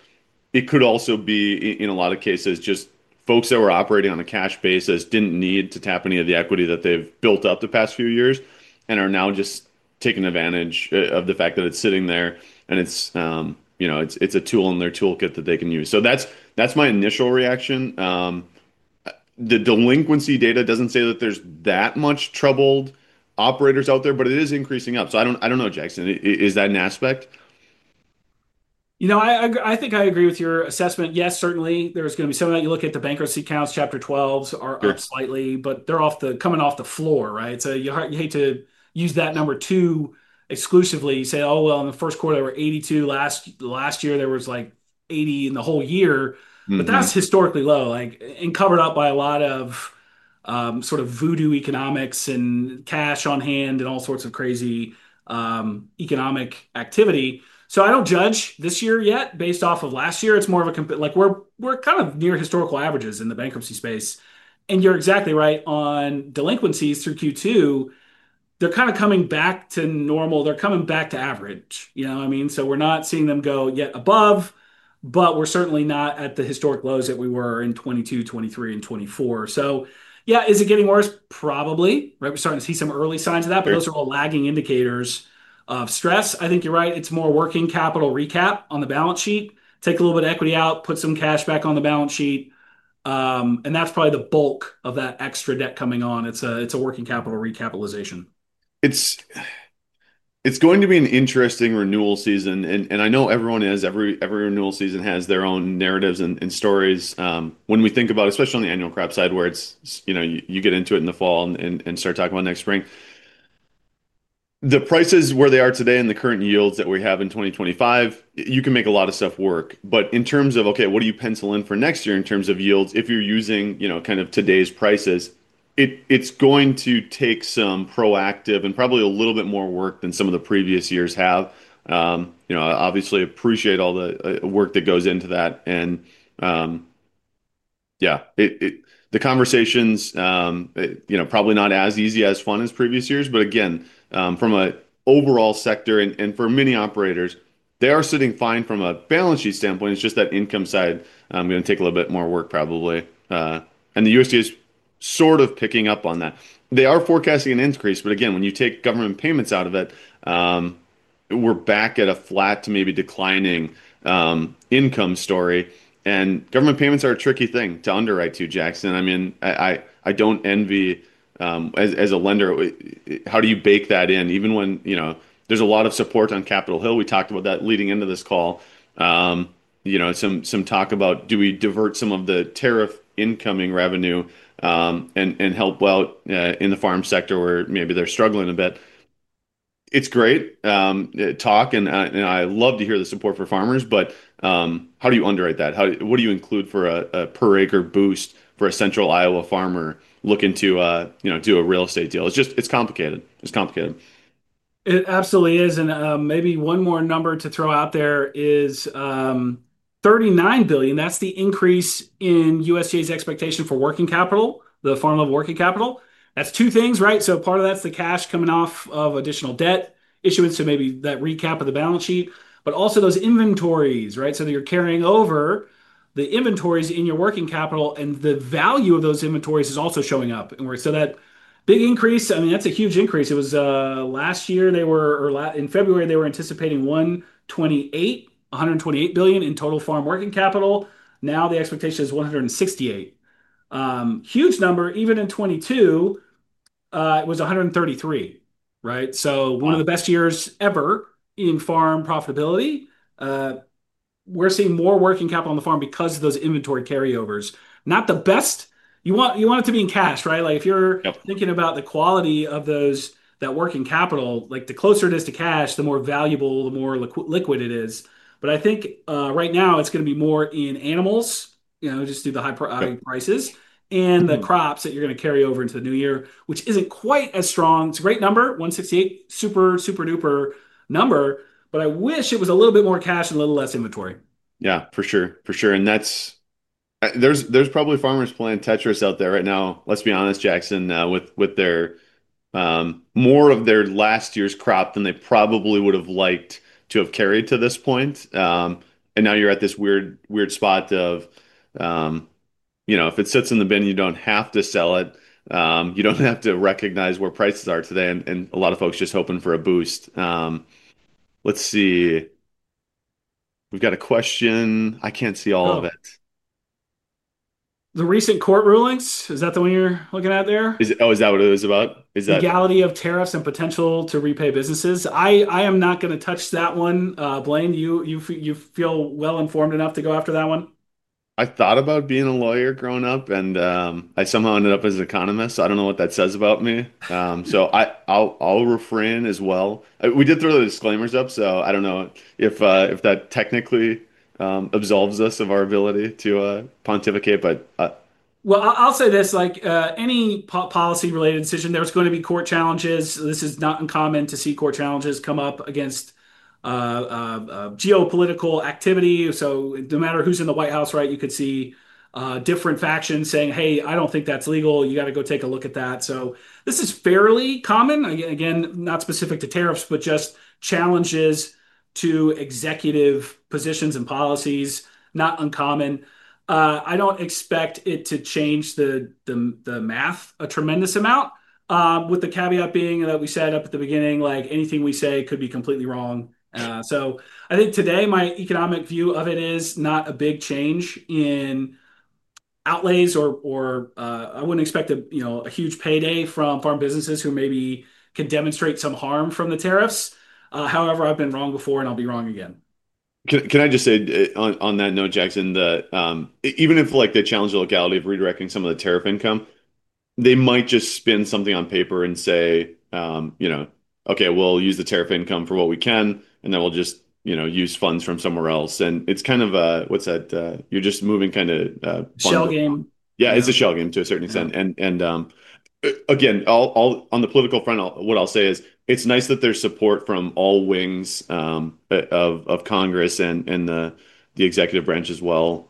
It could also be, in a lot of cases, just folks that were operating on a cash basis didn't need to tap any of the equity that they've built up the past few years and are now just taking advantage of the fact that it's sitting there and it's a tool in their toolkit that they can use. So that's my initial reaction. The delinquency data doesn't say that there's that much troubled operators out there, but it is increasing up. So I don't know, Jackson. Is that an aspect? You know, I think I agree with your assessment. Yes, certainly. There's going to be some of that. You look at the bankruptcy counts, Chapter 12s are up slightly, but they're coming off the floor, right? So you hate to use that number too exclusively. You say, "Oh, well, in the first quarter, there were 82. Last year, there was like 80 in the whole year." But that's historically low and covered up by a lot of sort of voodoo economics and cash on hand and all sorts of crazy economic activity. So I don't judge this year yet based off of last year. It's more of a, we're kind of near historical averages in the bankruptcy space. And you're exactly right on delinquencies through Q2. They're kind of coming back to normal. They're coming back to average. You know what I mean? So we're not seeing them go yet above, but we're certainly not at the historic lows that we were in 2022, 2023, and 2024. So yeah, is it getting worse? Probably, right? We're starting to see some early signs of that, but those are all lagging indicators of stress. I think you're right. It's more working capital recap on the balance sheet. Take a little bit of equity out, put some cash back on the balance sheet. And that's probably the bulk of that extra debt coming on. It's a working capital recapitalization. It's going to be an interesting renewal season, and I know everyone is. Every renewal season has their own narratives and stories. When we think about, especially on the annual crop side where you get into it in the fall and start talking about next spring, the prices where they are today and the current yields that we have in 2025, you can make a lot of stuff work, but in terms of, okay, what do you pencil in for next year in terms of yields? If you're using kind of today's prices, it's going to take some proactive and probably a little bit more work than some of the previous years have. Obviously, appreciate all the work that goes into that, and yeah, the conversations, probably not as easy or fun as previous years. But again, from an overall sector and for many operators, they are sitting fine from a balance sheet standpoint. It's just that income side is going to take a little bit more work, probably. And the USDA is sort of picking up on that. They are forecasting an increase. But again, when you take government payments out of it, we're back at a flat to maybe declining income story. And government payments are a tricky thing to underwrite too, Jackson. I mean, I don't envy, as a lender, how do you bake that in? Even when there's a lot of support on Capitol Hill, we talked about that leading into this call, some talk about, do we divert some of the tariff incoming revenue and help out in the farm sector where maybe they're struggling a bit? It's great talk. And I love to hear the support for farmers, but how do you underwrite that? What do you include for a per acre boost for a central Iowa farmer looking to do a real estate deal? It's complicated. It's complicated. It absolutely is, and maybe one more number to throw out there is $39 billion. That's the increase in USDA's expectation for working capital, the farm level working capital. That's two things, right? So part of that's the cash coming off of additional debt issuance, so maybe that recap of the balance sheet, but also those inventories, right? So that you're carrying over the inventories in your working capital and the value of those inventories is also showing up. And so that big increase, I mean, that's a huge increase. It was last year, they were, or in February, they were anticipating $128 billion in total farm working capital. Now the expectation is $168 billion. Huge number. Even in 2022, it was $133 billion, right? So one of the best years ever in farm profitability. We're seeing more working capital on the farm because of those inventory carryovers. Not the best. You want it to be in cash, right? Like if you're thinking about the quality of that working capital, like the closer it is to cash, the more valuable, the more liquid it is. But I think right now it's going to be more in animals, just through the high prices and the crops that you're going to carry over into the new year, which isn't quite as strong. It's a great number, 168, super, super duper number, but I wish it was a little bit more cash and a little less inventory. Yeah, for sure, for sure, and there's probably farmers playing Tetris out there right now. Let's be honest, Jackson, with more of their last year's crop than they probably would have liked to have carried to this point, and now you're at this weird spot of, you know, if it sits in the bin, you don't have to sell it. You don't have to recognize where prices are today, and a lot of folks just hoping for a boost. Let's see. We've got a question. I can't see all of it. The recent court rulings. Is that the one you're looking at there? Oh, is that what it was about? Is that? Legality of tariffs and potential to repay businesses. I am not going to touch that one. Blaine, you feel well-informed enough to go after that one? I thought about being a lawyer growing up, and I somehow ended up as an economist. I don't know what that says about me. So I'll refrain as well. We did throw the disclaimers up, so I don't know if that technically absolves us of our ability to pontificate, but. I'll say this. Any policy-related decision, there's going to be court challenges. This is not uncommon to see court challenges come up against geopolitical activity. So no matter who's in the White House, right, you could see different factions saying, "Hey, I don't think that's legal. You got to go take a look at that." So this is fairly common. Again, not specific to tariffs, but just challenges to executive positions and policies, not uncommon. I don't expeqct it to change the math a tremendous amount, with the caveat being that we said up at the beginning, like anything we say could be completely wrong. So I think today my economic view of it is not a big change in outlays, or I wouldn't expect a huge payday from farm businesses who maybe can demonstrate some harm from the tariffs. However, I've been wrong before, and I'll be wrong again. Can I just say on that note, Jackson, that even if the challenge of legality of redirecting some of the tariff income, they might just spin something on paper and say, "Okay, we'll use the tariff income for what we can, and then we'll just use funds from somewhere else." And it's kind of a, what's that? You're just moving kind of. Shell game. Yeah, it's a shell game to a certain extent. And again, on the political front, what I'll say is it's nice that there's support from all wings of Congress and the executive branch as well.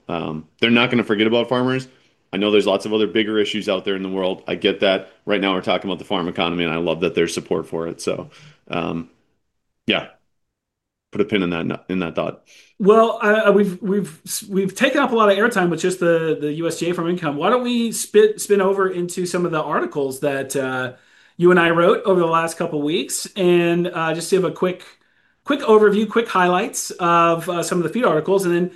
They're not going to forget about farmers. I know there's lots of other bigger issues out there in the world. I get that. Right now we're talking about the farm economy, and I love that there's support for it. So yeah, put a pin in that thought. We've taken up a lot of airtime with just the USDA farm income. Why don't we spin over into some of the articles that you and I wrote over the last couple of weeks and just have a quick overview, quick highlights of some of The Feed articles. Then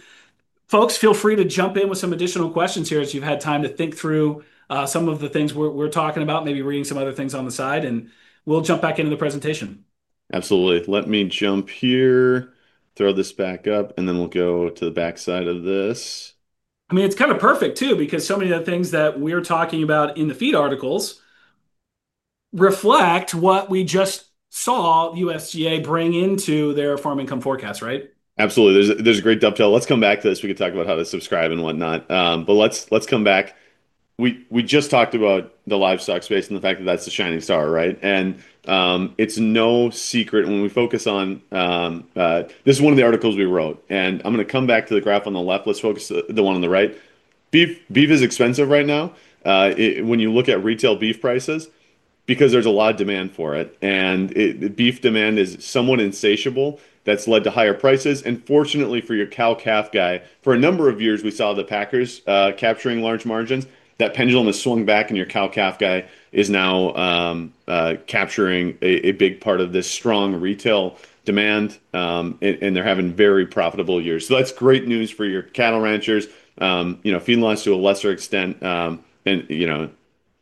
folks, feel free to jump in with some additional questions here as you've had time to think through some of the things we're talking about, maybe reading some other things on the side, and we'll jump back into the presentation. Absolutely. Let me jump here, throw this back up, and then we'll go to the backside of this. I mean, it's kind of perfect too because so many of the things that we're talking about in The Feed articles reflect what we just saw USDA bring into their farm income forecast, right? Absolutely. There's a great dovetail. Let's come back to this. We could talk about how to subscribe and whatnot. But let's come back. We just talked about the livestock space and the fact that that's the shining star, right? And it's no secret when we focus on this, this is one of the articles we wrote. And I'm going to come back to the graph on the left. Let's focus on the one on the right. Beef is expensive right now when you look at retail beef prices because there's a lot of demand for it. And beef demand is somewhat insatiable. That's led to higher prices. And fortunately for your cow-calf guy, for a number of years, we saw the packers capturing large margins. That pendulum has swung back, and your cow-calf guy is now capturing a big part of this strong retail demand, and they're having very profitable years. So that's great news for your cattle ranchers feedlots to a lesser extent. And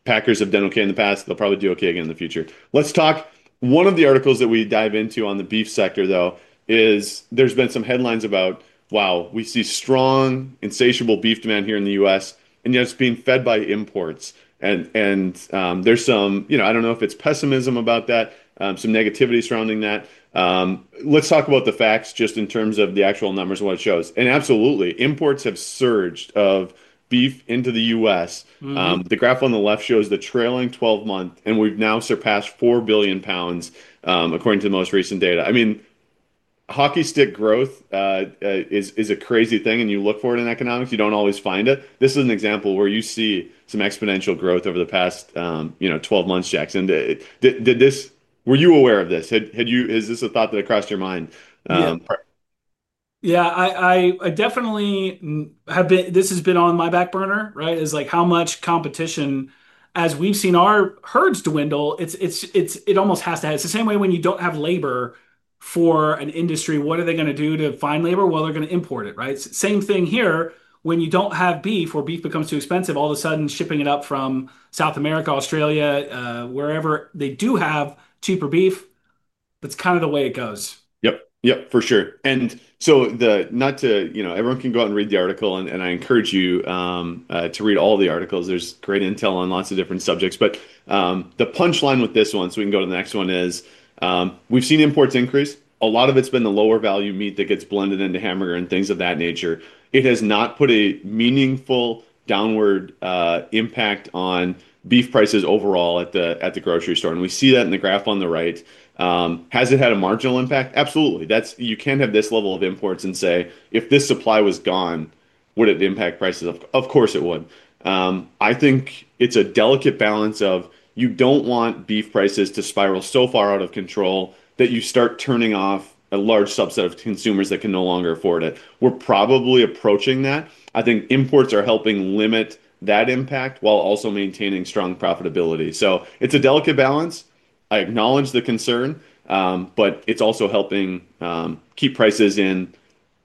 packers have done okay in the past. They'll probably do okay again in the future. Let's talk. One of the articles that we dive into on the beef sector, though, is there's been some headlines about, "Wow, we see strong, insatiable beef demand here in the U.S., and yet it's being fed by imports." And there's some, I don't know if it's pessimism about that, some negativity surrounding that. Let's talk about the facts just in terms of the actual numbers and what it shows. And absolutely, imports have surged of beef into the U.S. The graph on the left shows the trailing 12 months, and we've now surpassed four billion pounds according to the most recent data. I mean, hockey stick growth is a crazy thing, and you look for it in economics. You don't always find it. This is an example where you see some exponential growth over the past 12 months, Jackson. Were you aware of this? Is this a thought that crossed your mind? Yeah. I definitely have been, this has been on my back burner, right? It's like how much competition, as we've seen our herds dwindle, it almost has to have, it's the same way when you don't have labor for an industry, what are they going to do to find labor? Well, they're going to import it, right? Same thing here. When you don't have beef or beef becomes too expensive, all of a sudden shipping it up from South America, Australia, wherever they do have cheaper beef, that's kind of the way it goes. Yep. Yep. For sure. And so not to, you know, everyone can go out and read the article, and I encourage you to read all the articles. There's great intel on lots of different subjects. But the punchline with this one, so we can go to the next one is we've seen imports increase. A lot of it's been the lower value meat that gets blended into hamburger and things of that nature. It has not put a meaningful downward impact on beef prices overall at the grocery store. And we see that in the graph on the right. Has it had a marginal impact? Absolutely. You can't have this level of imports and say, "If this supply was gone, would it impact prices?" Of course, it would. I think it's a delicate balance of you don't want beef prices to spiral so far out of control that you start turning off a large subset of consumers that can no longer afford it. We're probably approaching that. I think imports are helping limit that impact while also maintaining strong profitability. So it's a delicate balance. I acknowledge the concern, but it's also helping keep prices in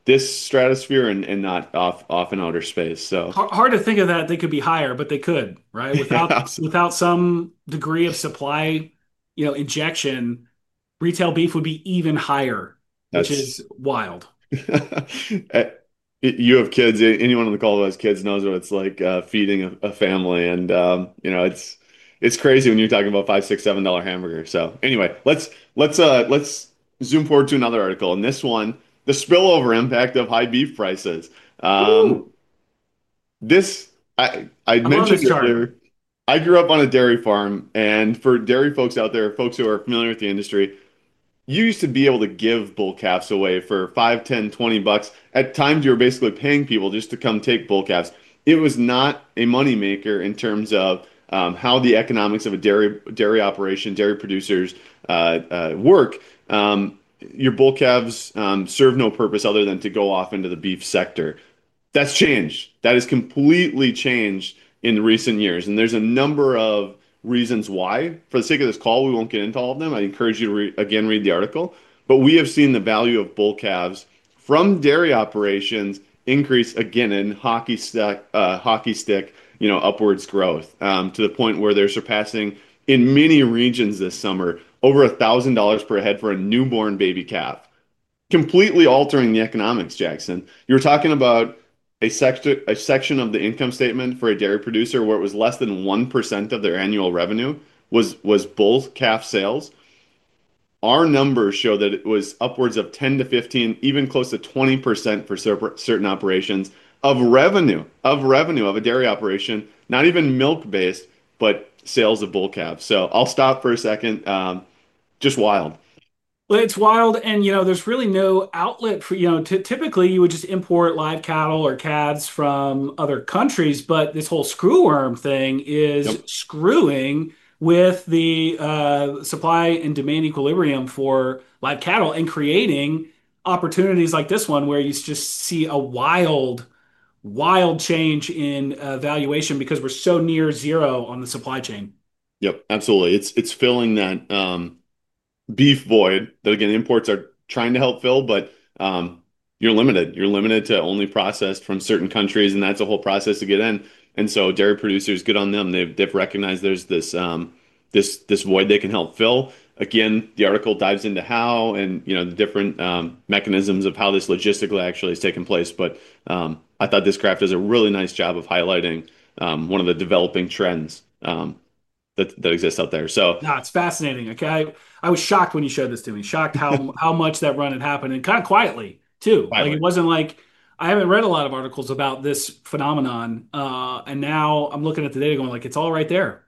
this stratosphere and not off in outer space. Hard to think of that they could be higher, but they could, right? Without some degree of supply injection, retail beef would be even higher, which is wild. You have kids. Anyone on the call who has kids knows what it's like feeding a family. And it's crazy when you're talking about $5, $6, $7 hamburgers. So anyway, let's zoom forward to another article. And this one, the spillover impact of high beef prices. I grew up on a dairy farm. And for dairy folks out there, folks who are familiar with the industry, you used to be able to give bull calves away for 5, 10, 20 bucks. At times, you were basically paying people just to come take bull calves. It was not a moneymaker in terms of how the economics of a dairy operation, dairy producers work. Your bull calves serve no purpose other than to go off into the beef sector. That's changed. That has completely changed in recent years. And there's a number of reasons why. For the sake of this call, we won't get into all of them. I encourage you to, again, read the article. But we have seen the value of bull calves from dairy operations increase again in hockey stick upwards growth to the point where they're surpassing in many regions this summer over $1,000 per head for a newborn baby calf, completely altering the economics, Jackson. You're talking about a section of the income statement for a dairy producer where it was less than 1% of their annual revenue was bull calf sales. Our numbers show that it was upwards of 10%-15%, even close to 20% for certain operations of revenue of a dairy operation, not even milk-based, but sales of bull calves. So I'll stop for a second. Just wild. It's wild. You know there's really no outlet. Typically, you would just import live cattle or calves from other countries, but this whole screwworm thing is screwing with the supply and demand equilibrium for live cattle and creating opportunities like this one where you just see a wild, wild change in valuation because we're so near zero on the supply chain. Yep. Absolutely. It's filling that beef void that, again, imports are trying to help fill, but you're limited. You're limited to only process from certain countries, and that's a whole process to get in. And so dairy producers, good on them. They've recognized there's this void they can help fill. Again, the article dives into how and the different mechanisms of how this logistically actually has taken place. But I thought this graph does a really nice job of highlighting one of the developing trends that exists out there. No, it's fascinating. I was shocked when you showed this to me. Shocked how much that run had happened and kind of quietly too. It wasn't like I haven't read a lot of articles about this phenomenon. And now I'm looking at the data going like, "It's all right there.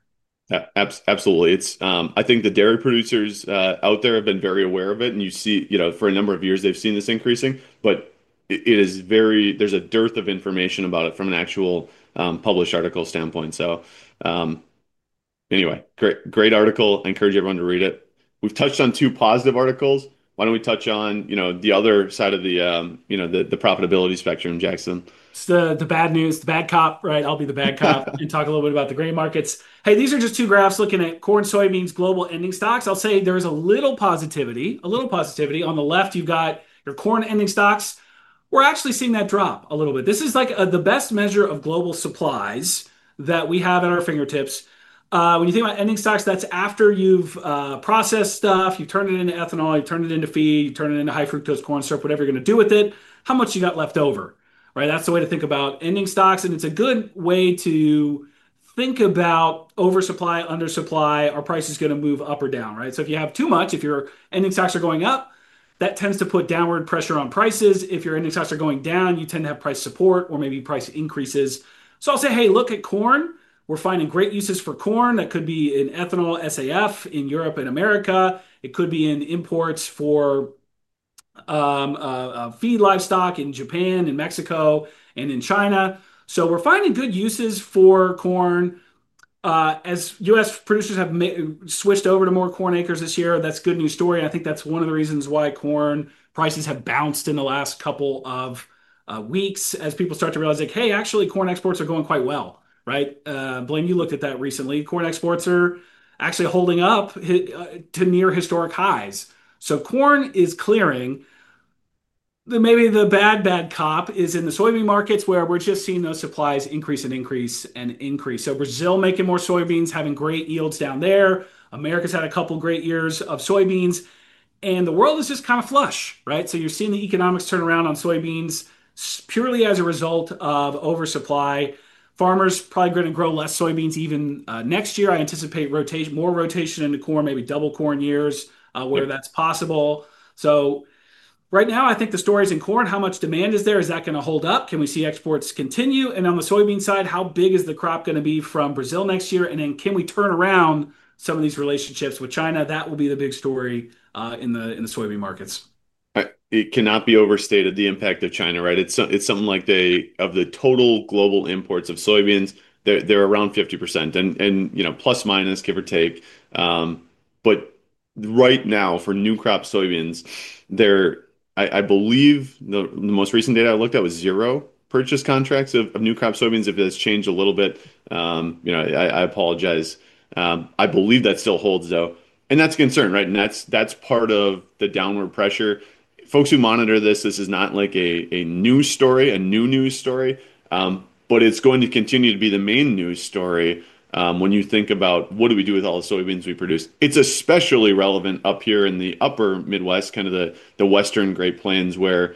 Absolutely. I think the dairy producers out there have been very aware of it, and you see for a number of years they've seen this increasing, but there's a dearth of information about it from an actual published article standpoint, so anyway, great article. I encourage everyone to read it. We've touched on two positive articles. Why don't we touch on the other side of the profitability spectrum, Jackson? The bad news, the bad cop, right? I'll be the bad cop and talk a little bit about the grain markets. Hey, these are just two graphs looking at corn, soybeans, global ending stocks. I'll say there is a little positivity. A little positivity. On the left, you've got your corn ending stocks. We're actually seeing that drop a little bit. This is like the best measure of global supplies that we have at our fingertips. When you think about ending stocks, that's after you've processed stuff, you've turned it into ethanol, you've turned it into feed, you've turned it into high fructose corn syrup, whatever you're going to do with it, how much you got left over, right? That's the way to think about ending stocks. And it's a good way to think about oversupply, undersupply, are prices going to move up or down, right? So if you have too much, if your ending stocks are going up, that tends to put downward pressure on prices. If your ending stocks are going down, you tend to have price support or maybe price increases. So I'll say, "Hey, look at corn. We're finding great uses for corn. That could be in ethanol SAF in Europe and America. It could be in imports for feed livestock in Japan and Mexico and in China." So we're finding good uses for corn. As U.S. producers have switched over to more corn acres this year, that's good news story. And I think that's one of the reasons why corn prices have bounced in the last couple of weeks as people start to realize like, "Hey, actually corn exports are going quite well," right? Blaine, you looked at that recently. Corn exports are actually holding up to near historic highs. Corn is clearing. Maybe the bad, bad cop is in the soybean markets where we're just seeing those supplies increase and increase and increase. Brazil making more soybeans, having great yields down there. America's had a couple great years of soybeans. The world is just kind of flush, right? You're seeing the economics turn around on soybeans purely as a result of oversupply. Farmers probably going to grow less soybeans even next year. I anticipate more rotation into corn, maybe double corn years, whether that's possible. Right now, I think the story is in corn. How much demand is there? Is that going to hold up? Can we see exports continue? On the soybean side, how big is the crop going to be from Brazil next year? Then can we turn around some of these relationships with China? That will be the big story in the soybean markets. It cannot be overstated the impact of China, right? It's something like the total global imports of soybeans, they're around 50% and plus minus, give or take. But right now for new crop soybeans, I believe the most recent data I looked at was zero purchase contracts of new crop soybeans. If it has changed a little bit, I apologize. I believe that still holds though. And that's a concern, right? And that's part of the downward pressure. Folks who monitor this, this is not like a news story, a new news story, but it's going to continue to be the main news story when you think about what do we do with all the soybeans we produce. It's especially relevant up here in the Upper Midwest, kind of the western Great Plains where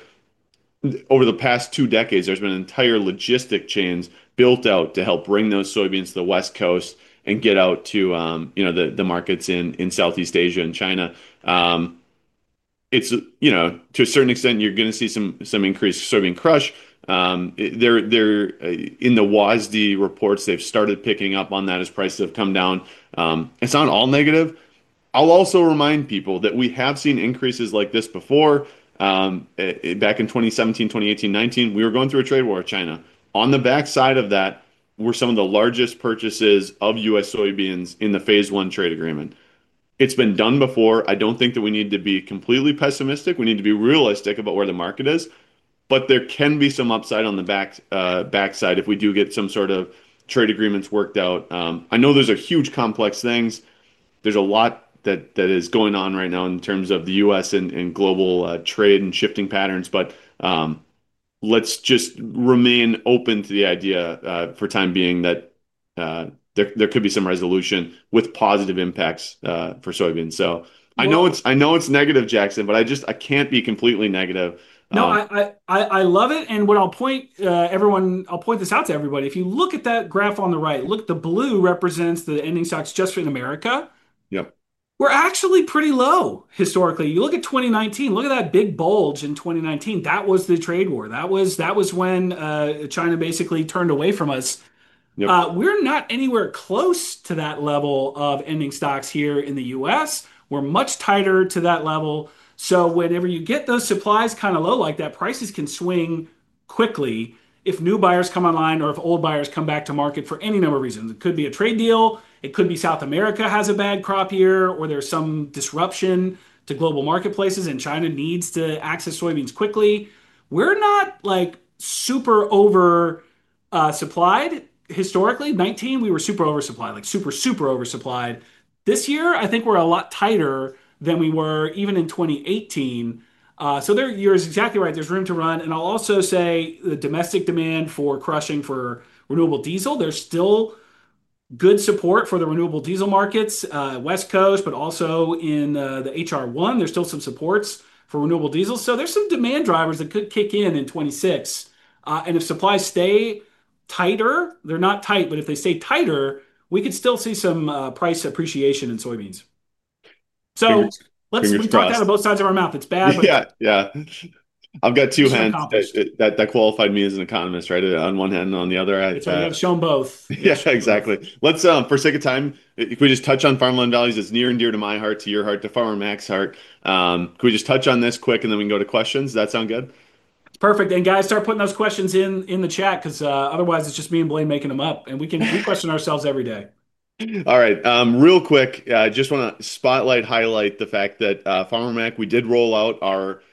over the past two decades, there's been an entire logistic chain built out to help bring those soybeans to the West Coast and get out to the markets in Southeast Asia and China. To a certain extent, you're going to see some increased soybean crush. In the WASDE reports, they've started picking up on that as prices have come down. It's not all negative. I'll also remind people that we have seen increases like this before. Back in 2017, 2018, 2019, we were going through a trade war with China. On the backside of that were some of the largest purchases of U.S. soybeans in the Phase One trade agreement. It's been done before. I don't think that we need to be completely pessimistic. We need to be realistic about where the market is. But there can be some upside on the backside if we do get some sort of trade agreements worked out. I know there's a huge complex things. There's a lot that is going on right now in terms of the U.S. and global trade and shifting patterns. But let's just remain open to the idea for time being that there could be some resolution with positive impacts for soybeans. So I know it's negative, Jackson, but I can't be completely negative. No, I love it. And what I'll point out to everybody. If you look at that graph on the right, look, the blue represents the ending stocks just in America. We're actually pretty low historically. You look at 2019, look at that big bulge in 2019. That was the trade war. That was when China basically turned away from us. We're not anywhere close to that level of ending stocks here in the U.S. We're much tighter to that level. So whenever you get those supplies kind of low, like that, prices can swing quickly if new buyers come online or if old buyers come back to market for any number of reasons. It could be a trade deal. It could be South America has a bad crop year or there's some disruption to global marketplaces and China needs to access soybeans quickly. We're not like super oversupplied historically. In 2019, we were super oversupplied, like super, super oversupplied. This year, I think we're a lot tighter than we were even in 2018, so there you're exactly right. There's room to run. And I'll also say the domestic demand for crushing for renewable diesel, there's still good support for the renewable diesel markets, West Coast, but also in the H.R. 1, there's still some supports for renewable diesel. So there's some demand drivers that could kick in in 2026. And if supplies stay tighter, they're not tight, but if they stay tighter, we could still see some price appreciation in soybeans. So we talked out of both sides of our mouth. It's bad. Yeah. Yeah. I've got two hands that qualified me as an economist, right? On one hand, on the other. It's like I've shown both. Yeah, exactly. For the sake of time, could we just touch on farmland values? It's near and dear to my heart, to your heart, to Farmer Mac's heart. Could we just touch on this quick and then we can go to questions? Does that sound good? Perfect. And guys, start putting those questions in the chat because otherwise it's just me and Blaine making them up. And we question ourselves every day. All right. Real quick, I just want to spotlight, highlight the fact that Farmer Mac, we did roll out our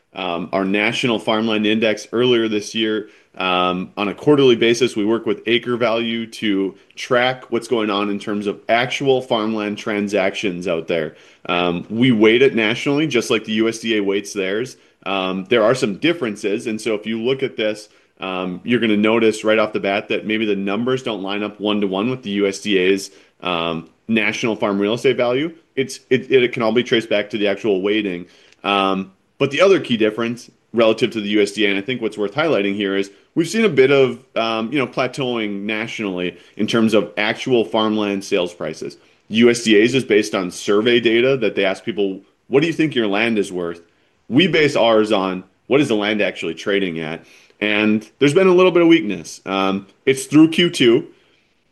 national farmland index earlier this year. On a quarterly basis, we work with AcreValue to track what's going on in terms of actual farmland transactions out there. We weigh it nationally, just like the USDA weights theirs. There are some differences, and so if you look at this, you're going to notice right off the bat that maybe the numbers don't line up one-to-one with the USDA's national farm real estate value. It can all be traced back to the actual weighting, but the other key difference relative to the USDA, and I think what's worth highlighting here is we've seen a bit of plateauing nationally in terms of actual farmland sales prices. USDA's is based on survey data that they ask people, "What do you think your land is worth?" We base ours on what is the land actually trading at, and there's been a little bit of weakness. It's through Q2.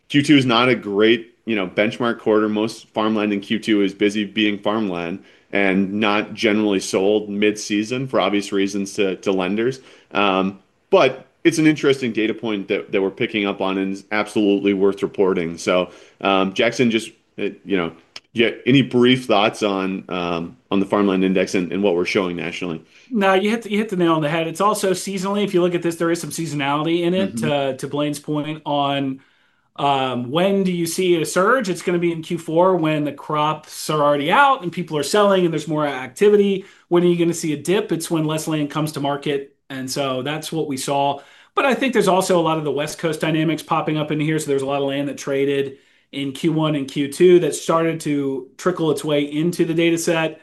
Q2 is not a great benchmark quarter. Most farmland in Q2 is busy being farmland and not generally sold mid-season for obvious reasons to lenders, but it's an interesting data point that we're picking up on and is absolutely worth reporting, so Jackson, just any brief thoughts on the farmland index and what we're showing nationally? No, you hit the nail on the head. It's also seasonally. If you look at this, there is some seasonality in it to Blaine's point on when do you see a surge? It's going to be in Q4 when the crops are already out and people are selling and there's more activity. When are you going to see a dip? It's when less land comes to market, and so that's what we saw, but I think there's also a lot of the West Coast dynamics popping up in here, so there's a lot of land that traded in Q1 and Q2 that started to trickle its way into the data set.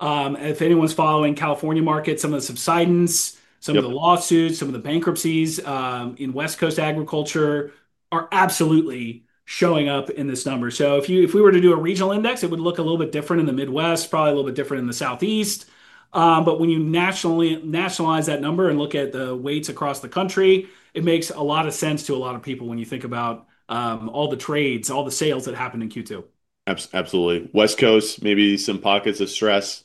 If anyone's following California markets, some of the subsidence, some of the lawsuits, some of the bankruptcies in West Coast agriculture are absolutely showing up in this number. So if we were to do a regional index, it would look a little bit different in the Midwest, probably a little bit different in the Southeast. But when you nationalize that number and look at the weights across the country, it makes a lot of sense to a lot of people when you think about all the trades, all the sales that happened in Q2. Absolutely. West Coast, maybe some pockets of stress,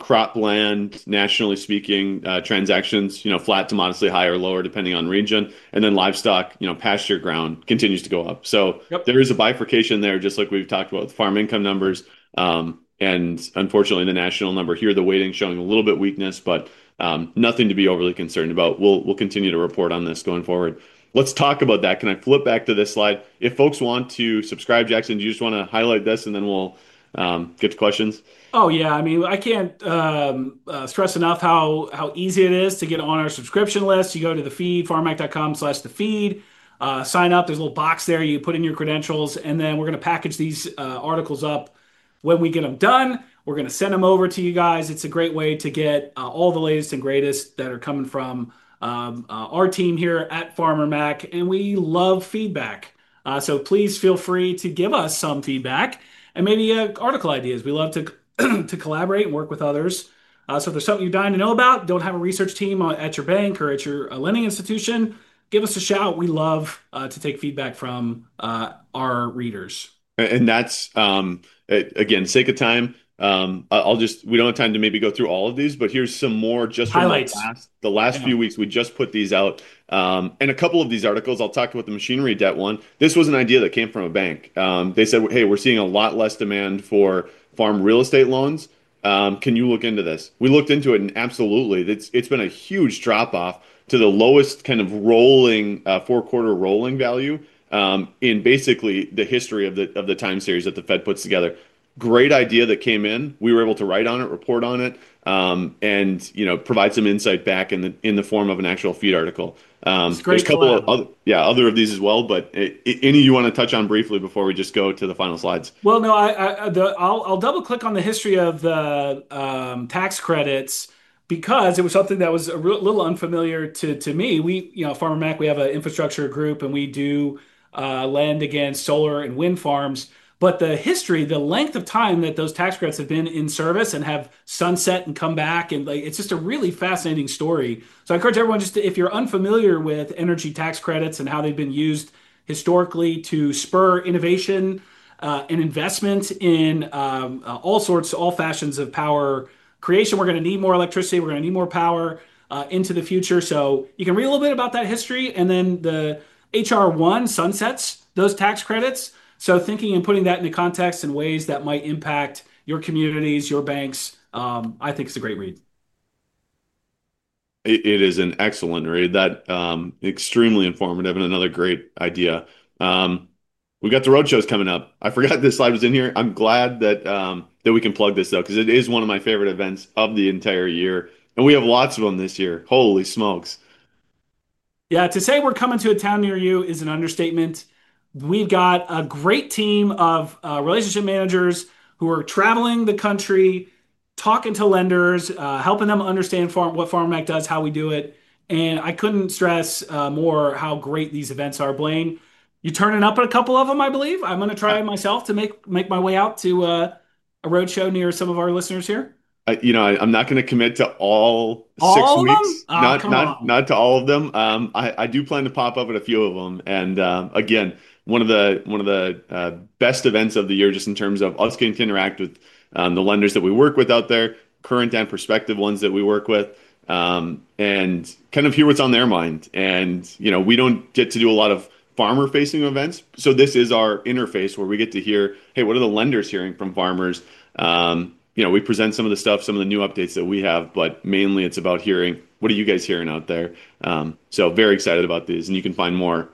cropland, nationally speaking, transactions flat to modestly higher or lower depending on region. And then livestock, pasture ground continues to go up. So there is a bifurcation there, just like we've talked about with farm income numbers. And unfortunately, the national number here, the weighting showing a little bit of weakness, but nothing to be overly concerned about. We'll continue to report on this going forward. Let's talk about that. Can I flip back to this slide? If folks want to subscribe, Jackson, do you just want to highlight this and then we'll get to questions? Oh, yeah. I mean, I can't stress enough how easy it is to get on our subscription list. You go to The Feed, farmermac.com/thefeed, sign up. There's a little box there. You put in your credentials, and then we're going to package these articles up. When we get them done, we're going to send them over to you guys. It's a great way to get all the latest and greatest that are coming from our team here at Farmer Mac, and we love feedback, so please feel free to give us some feedback and maybe article ideas. We love to collaborate and work with others, so if there's something you're dying to know about, don't have a research team at your bank or at your lending institution, give us a shout. We love to take feedback from our readers. And that's, again, for the sake of time. We don't have time to maybe go through all of these, but here's some more just from the last few weeks. We just put these out. And a couple of these articles, I'll talk about the machinery debt one. This was an idea that came from a bank. They said, "Hey, we're seeing a lot less demand for farm real estate loans. Can you look into this?" We looked into it and absolutely, it's been a huge drop-off to the lowest kind of four-quarter rolling value in basically the history of the time series that the Fed puts together. Great idea that came in. We were able to write on it, report on it, and provide some insight back in the form of an actual The Feed article. There's a couple of other of these as well, but any you want to touch on briefly before we just go to the final slides? No, I'll double-click on the history of tax credits because it was something that was a little unfamiliar to me. Farmer Mac, we have an infrastructure group and we do loans against solar and wind farms. But the history, the length of time that those tax credits have been in service and have sunset and come back, it's just a really fascinating story. I encourage everyone just to, if you're unfamiliar with energy tax credits and how they've been used historically to spur innovation and investment in all sorts, all fashions of power creation, we're going to need more electricity. We're going to need more power into the future. You can read a little bit about that history and then the H.R. 1 sunsets those tax credits. So thinking and putting that into context in ways that might impact your communities, your banks, I think it's a great read. It is an excellent read. That's extremely informative and another great idea. We've got the roadshows coming up. I forgot this slide was in here. I'm glad that we can plug this though because it is one of my favorite events of the entire year, and we have lots of them this year. Holy smokes! Yeah. To say we're coming to a town near you is an understatement. We've got a great team of relationship managers who are traveling the country, talking to lenders, helping them understand what Farmer Mac does, how we do it. And I couldn't stress more how great these events are. Blaine, you're turning up at a couple of them, I believe. I'm going to try myself to make my way out to a roadshow near some of our listeners here. You know, I'm not going to commit to all six weeks. Not to all of them. I do plan to pop up at a few of them. And again, one of the best events of the year just in terms of us getting to interact with the lenders that we work with out there, current and prospective ones that we work with, and kind of hear what's on their mind. And we don't get to do a lot of farmer-facing events. So this is our interface where we get to hear, "Hey, what are the lenders hearing from farmers?" We present some of the stuff, some of the new updates that we have, but mainly it's about hearing, "What are you guys hearing out there?" So very excited about these. And you can find more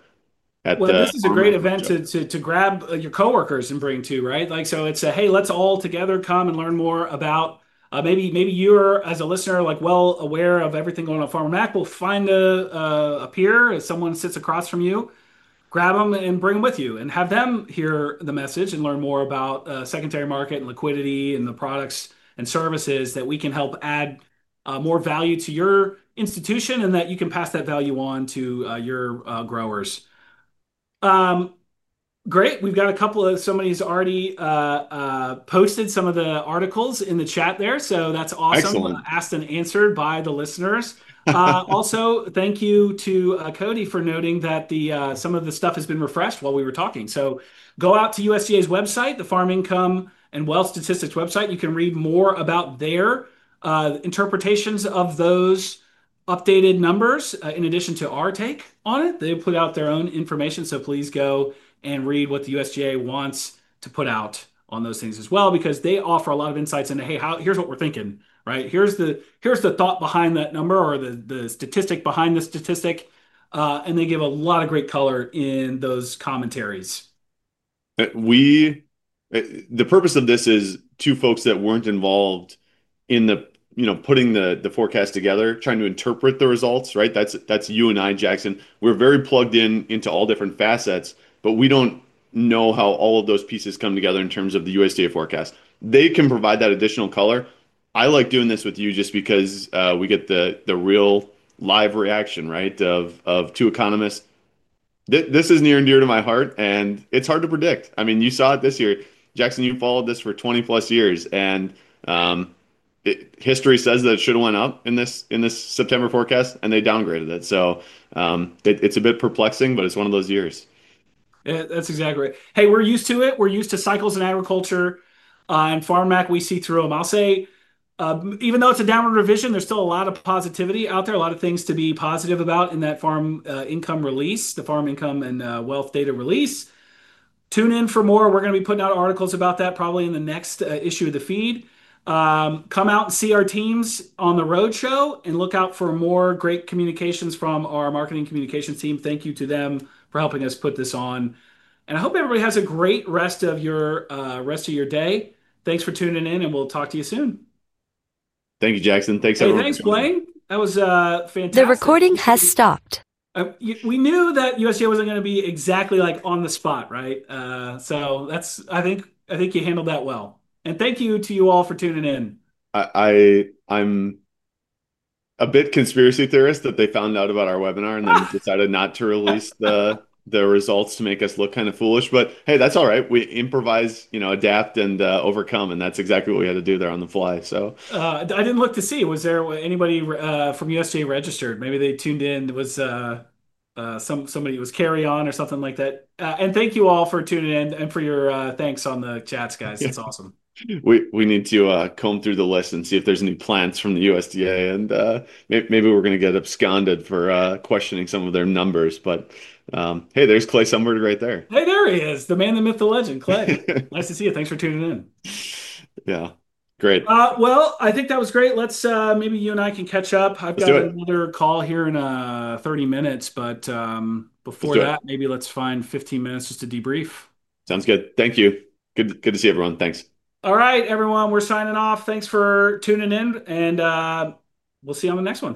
at the. This is a great event to grab your coworkers and bring to, right? So it's a, "Hey, let's all together come and learn more about." Maybe you're, as a listener, well aware of everything going on at Farmer Mac. We'll find a peer, someone who sits across from you, grab them and bring them with you and have them hear the message and learn more about secondary market and liquidity and the products and services that we can help add more value to your institution and that you can pass that value on to your growers. Great. We've got a couple of, somebody's already posted some of the articles in the chat there. So that's awesome. Excellent. Asked and answered by the listeners. Also, thank you to Cody for noting that some of the stuff has been refreshed while we were talking. So go out to USDA's website, the Farm Income and Wealth Statistics website. You can read more about their interpretations of those updated numbers in addition to our take on it. They put out their own information. So please go and read what the USDA wants to put out on those things as well because they offer a lot of insights into, "Hey, here's what we're thinking," right? Here's the thought behind that number or the statistic behind the statistic. And they give a lot of great color in those commentaries. The purpose of this is two folks that weren't involved in putting the forecast together, trying to interpret the results, right? That's you and I, Jackson. We're very plugged into all different facets, but we don't know how all of those pieces come together in terms of the USDA forecast. They can provide that additional color. I like doing this with you just because we get the real live reaction, right, of two economists. This is near and dear to my heart and it's hard to predict. I mean, you saw it this year. Jackson, you followed this for 20+ years, and history says that it should have went up in this September forecast and they downgraded it, so it's a bit perplexing, but it's one of those years. That's exactly right. Hey, we're used to it. We're used to cycles in agriculture. And Farmer Mac, we see through them. I'll say, even though it's a downward revision, there's still a lot of positivity out there, a lot of things to be positive about in that farm income release, the farm income and wealth data release. Tune in for more. We're going to be putting out articles about that probably in the next issue of The Feed. Come out and see our teams on the roadshow and look out for more great communications from our marketing communications team. Thank you to them for helping us put this on. And I hope everybody has a great rest of your day. Thanks for tuning in and we'll talk to you soon. Thank you, Jackson. Thanks, everyone. Thanks, Blaine. That was fantastic. The recording has stopped. We knew that USDA wasn't going to be exactly like on the spot, right? So I think you handled that well, and thank you to you all for tuning in. I'm a bit conspiracy theorist that they found out about our webinar and then decided not to release the results to make us look kind of foolish. But hey, that's all right. We improvise, adapt, and overcome. And that's exactly what we had to do there on the fly, so. I didn't look to see. Was there anybody from USDA registered? Maybe they tuned in. Somebody was Carrie or something like that. Thank you all for tuning in and for your thanks on the chats, guys. That's awesome. We need to comb through the list and see if there's any plans from the USDA, and maybe we're going to get subpoenaed for questioning some of their numbers, but hey, there's Clay Sundberg right there. Hey, there he is. The man, the myth, the legend, Clay. Nice to see you. Thanks for tuning in. Yeah. Great. I think that was great. Let's maybe you and I can catch up. I've got another call here in 30 minutes. But before that, maybe let's find 15 minutes just to debrief. Sounds good. Thank you. Good to see everyone. Thanks. All right, everyone, we're signing off. Thanks for tuning in. And we'll see you on the next one.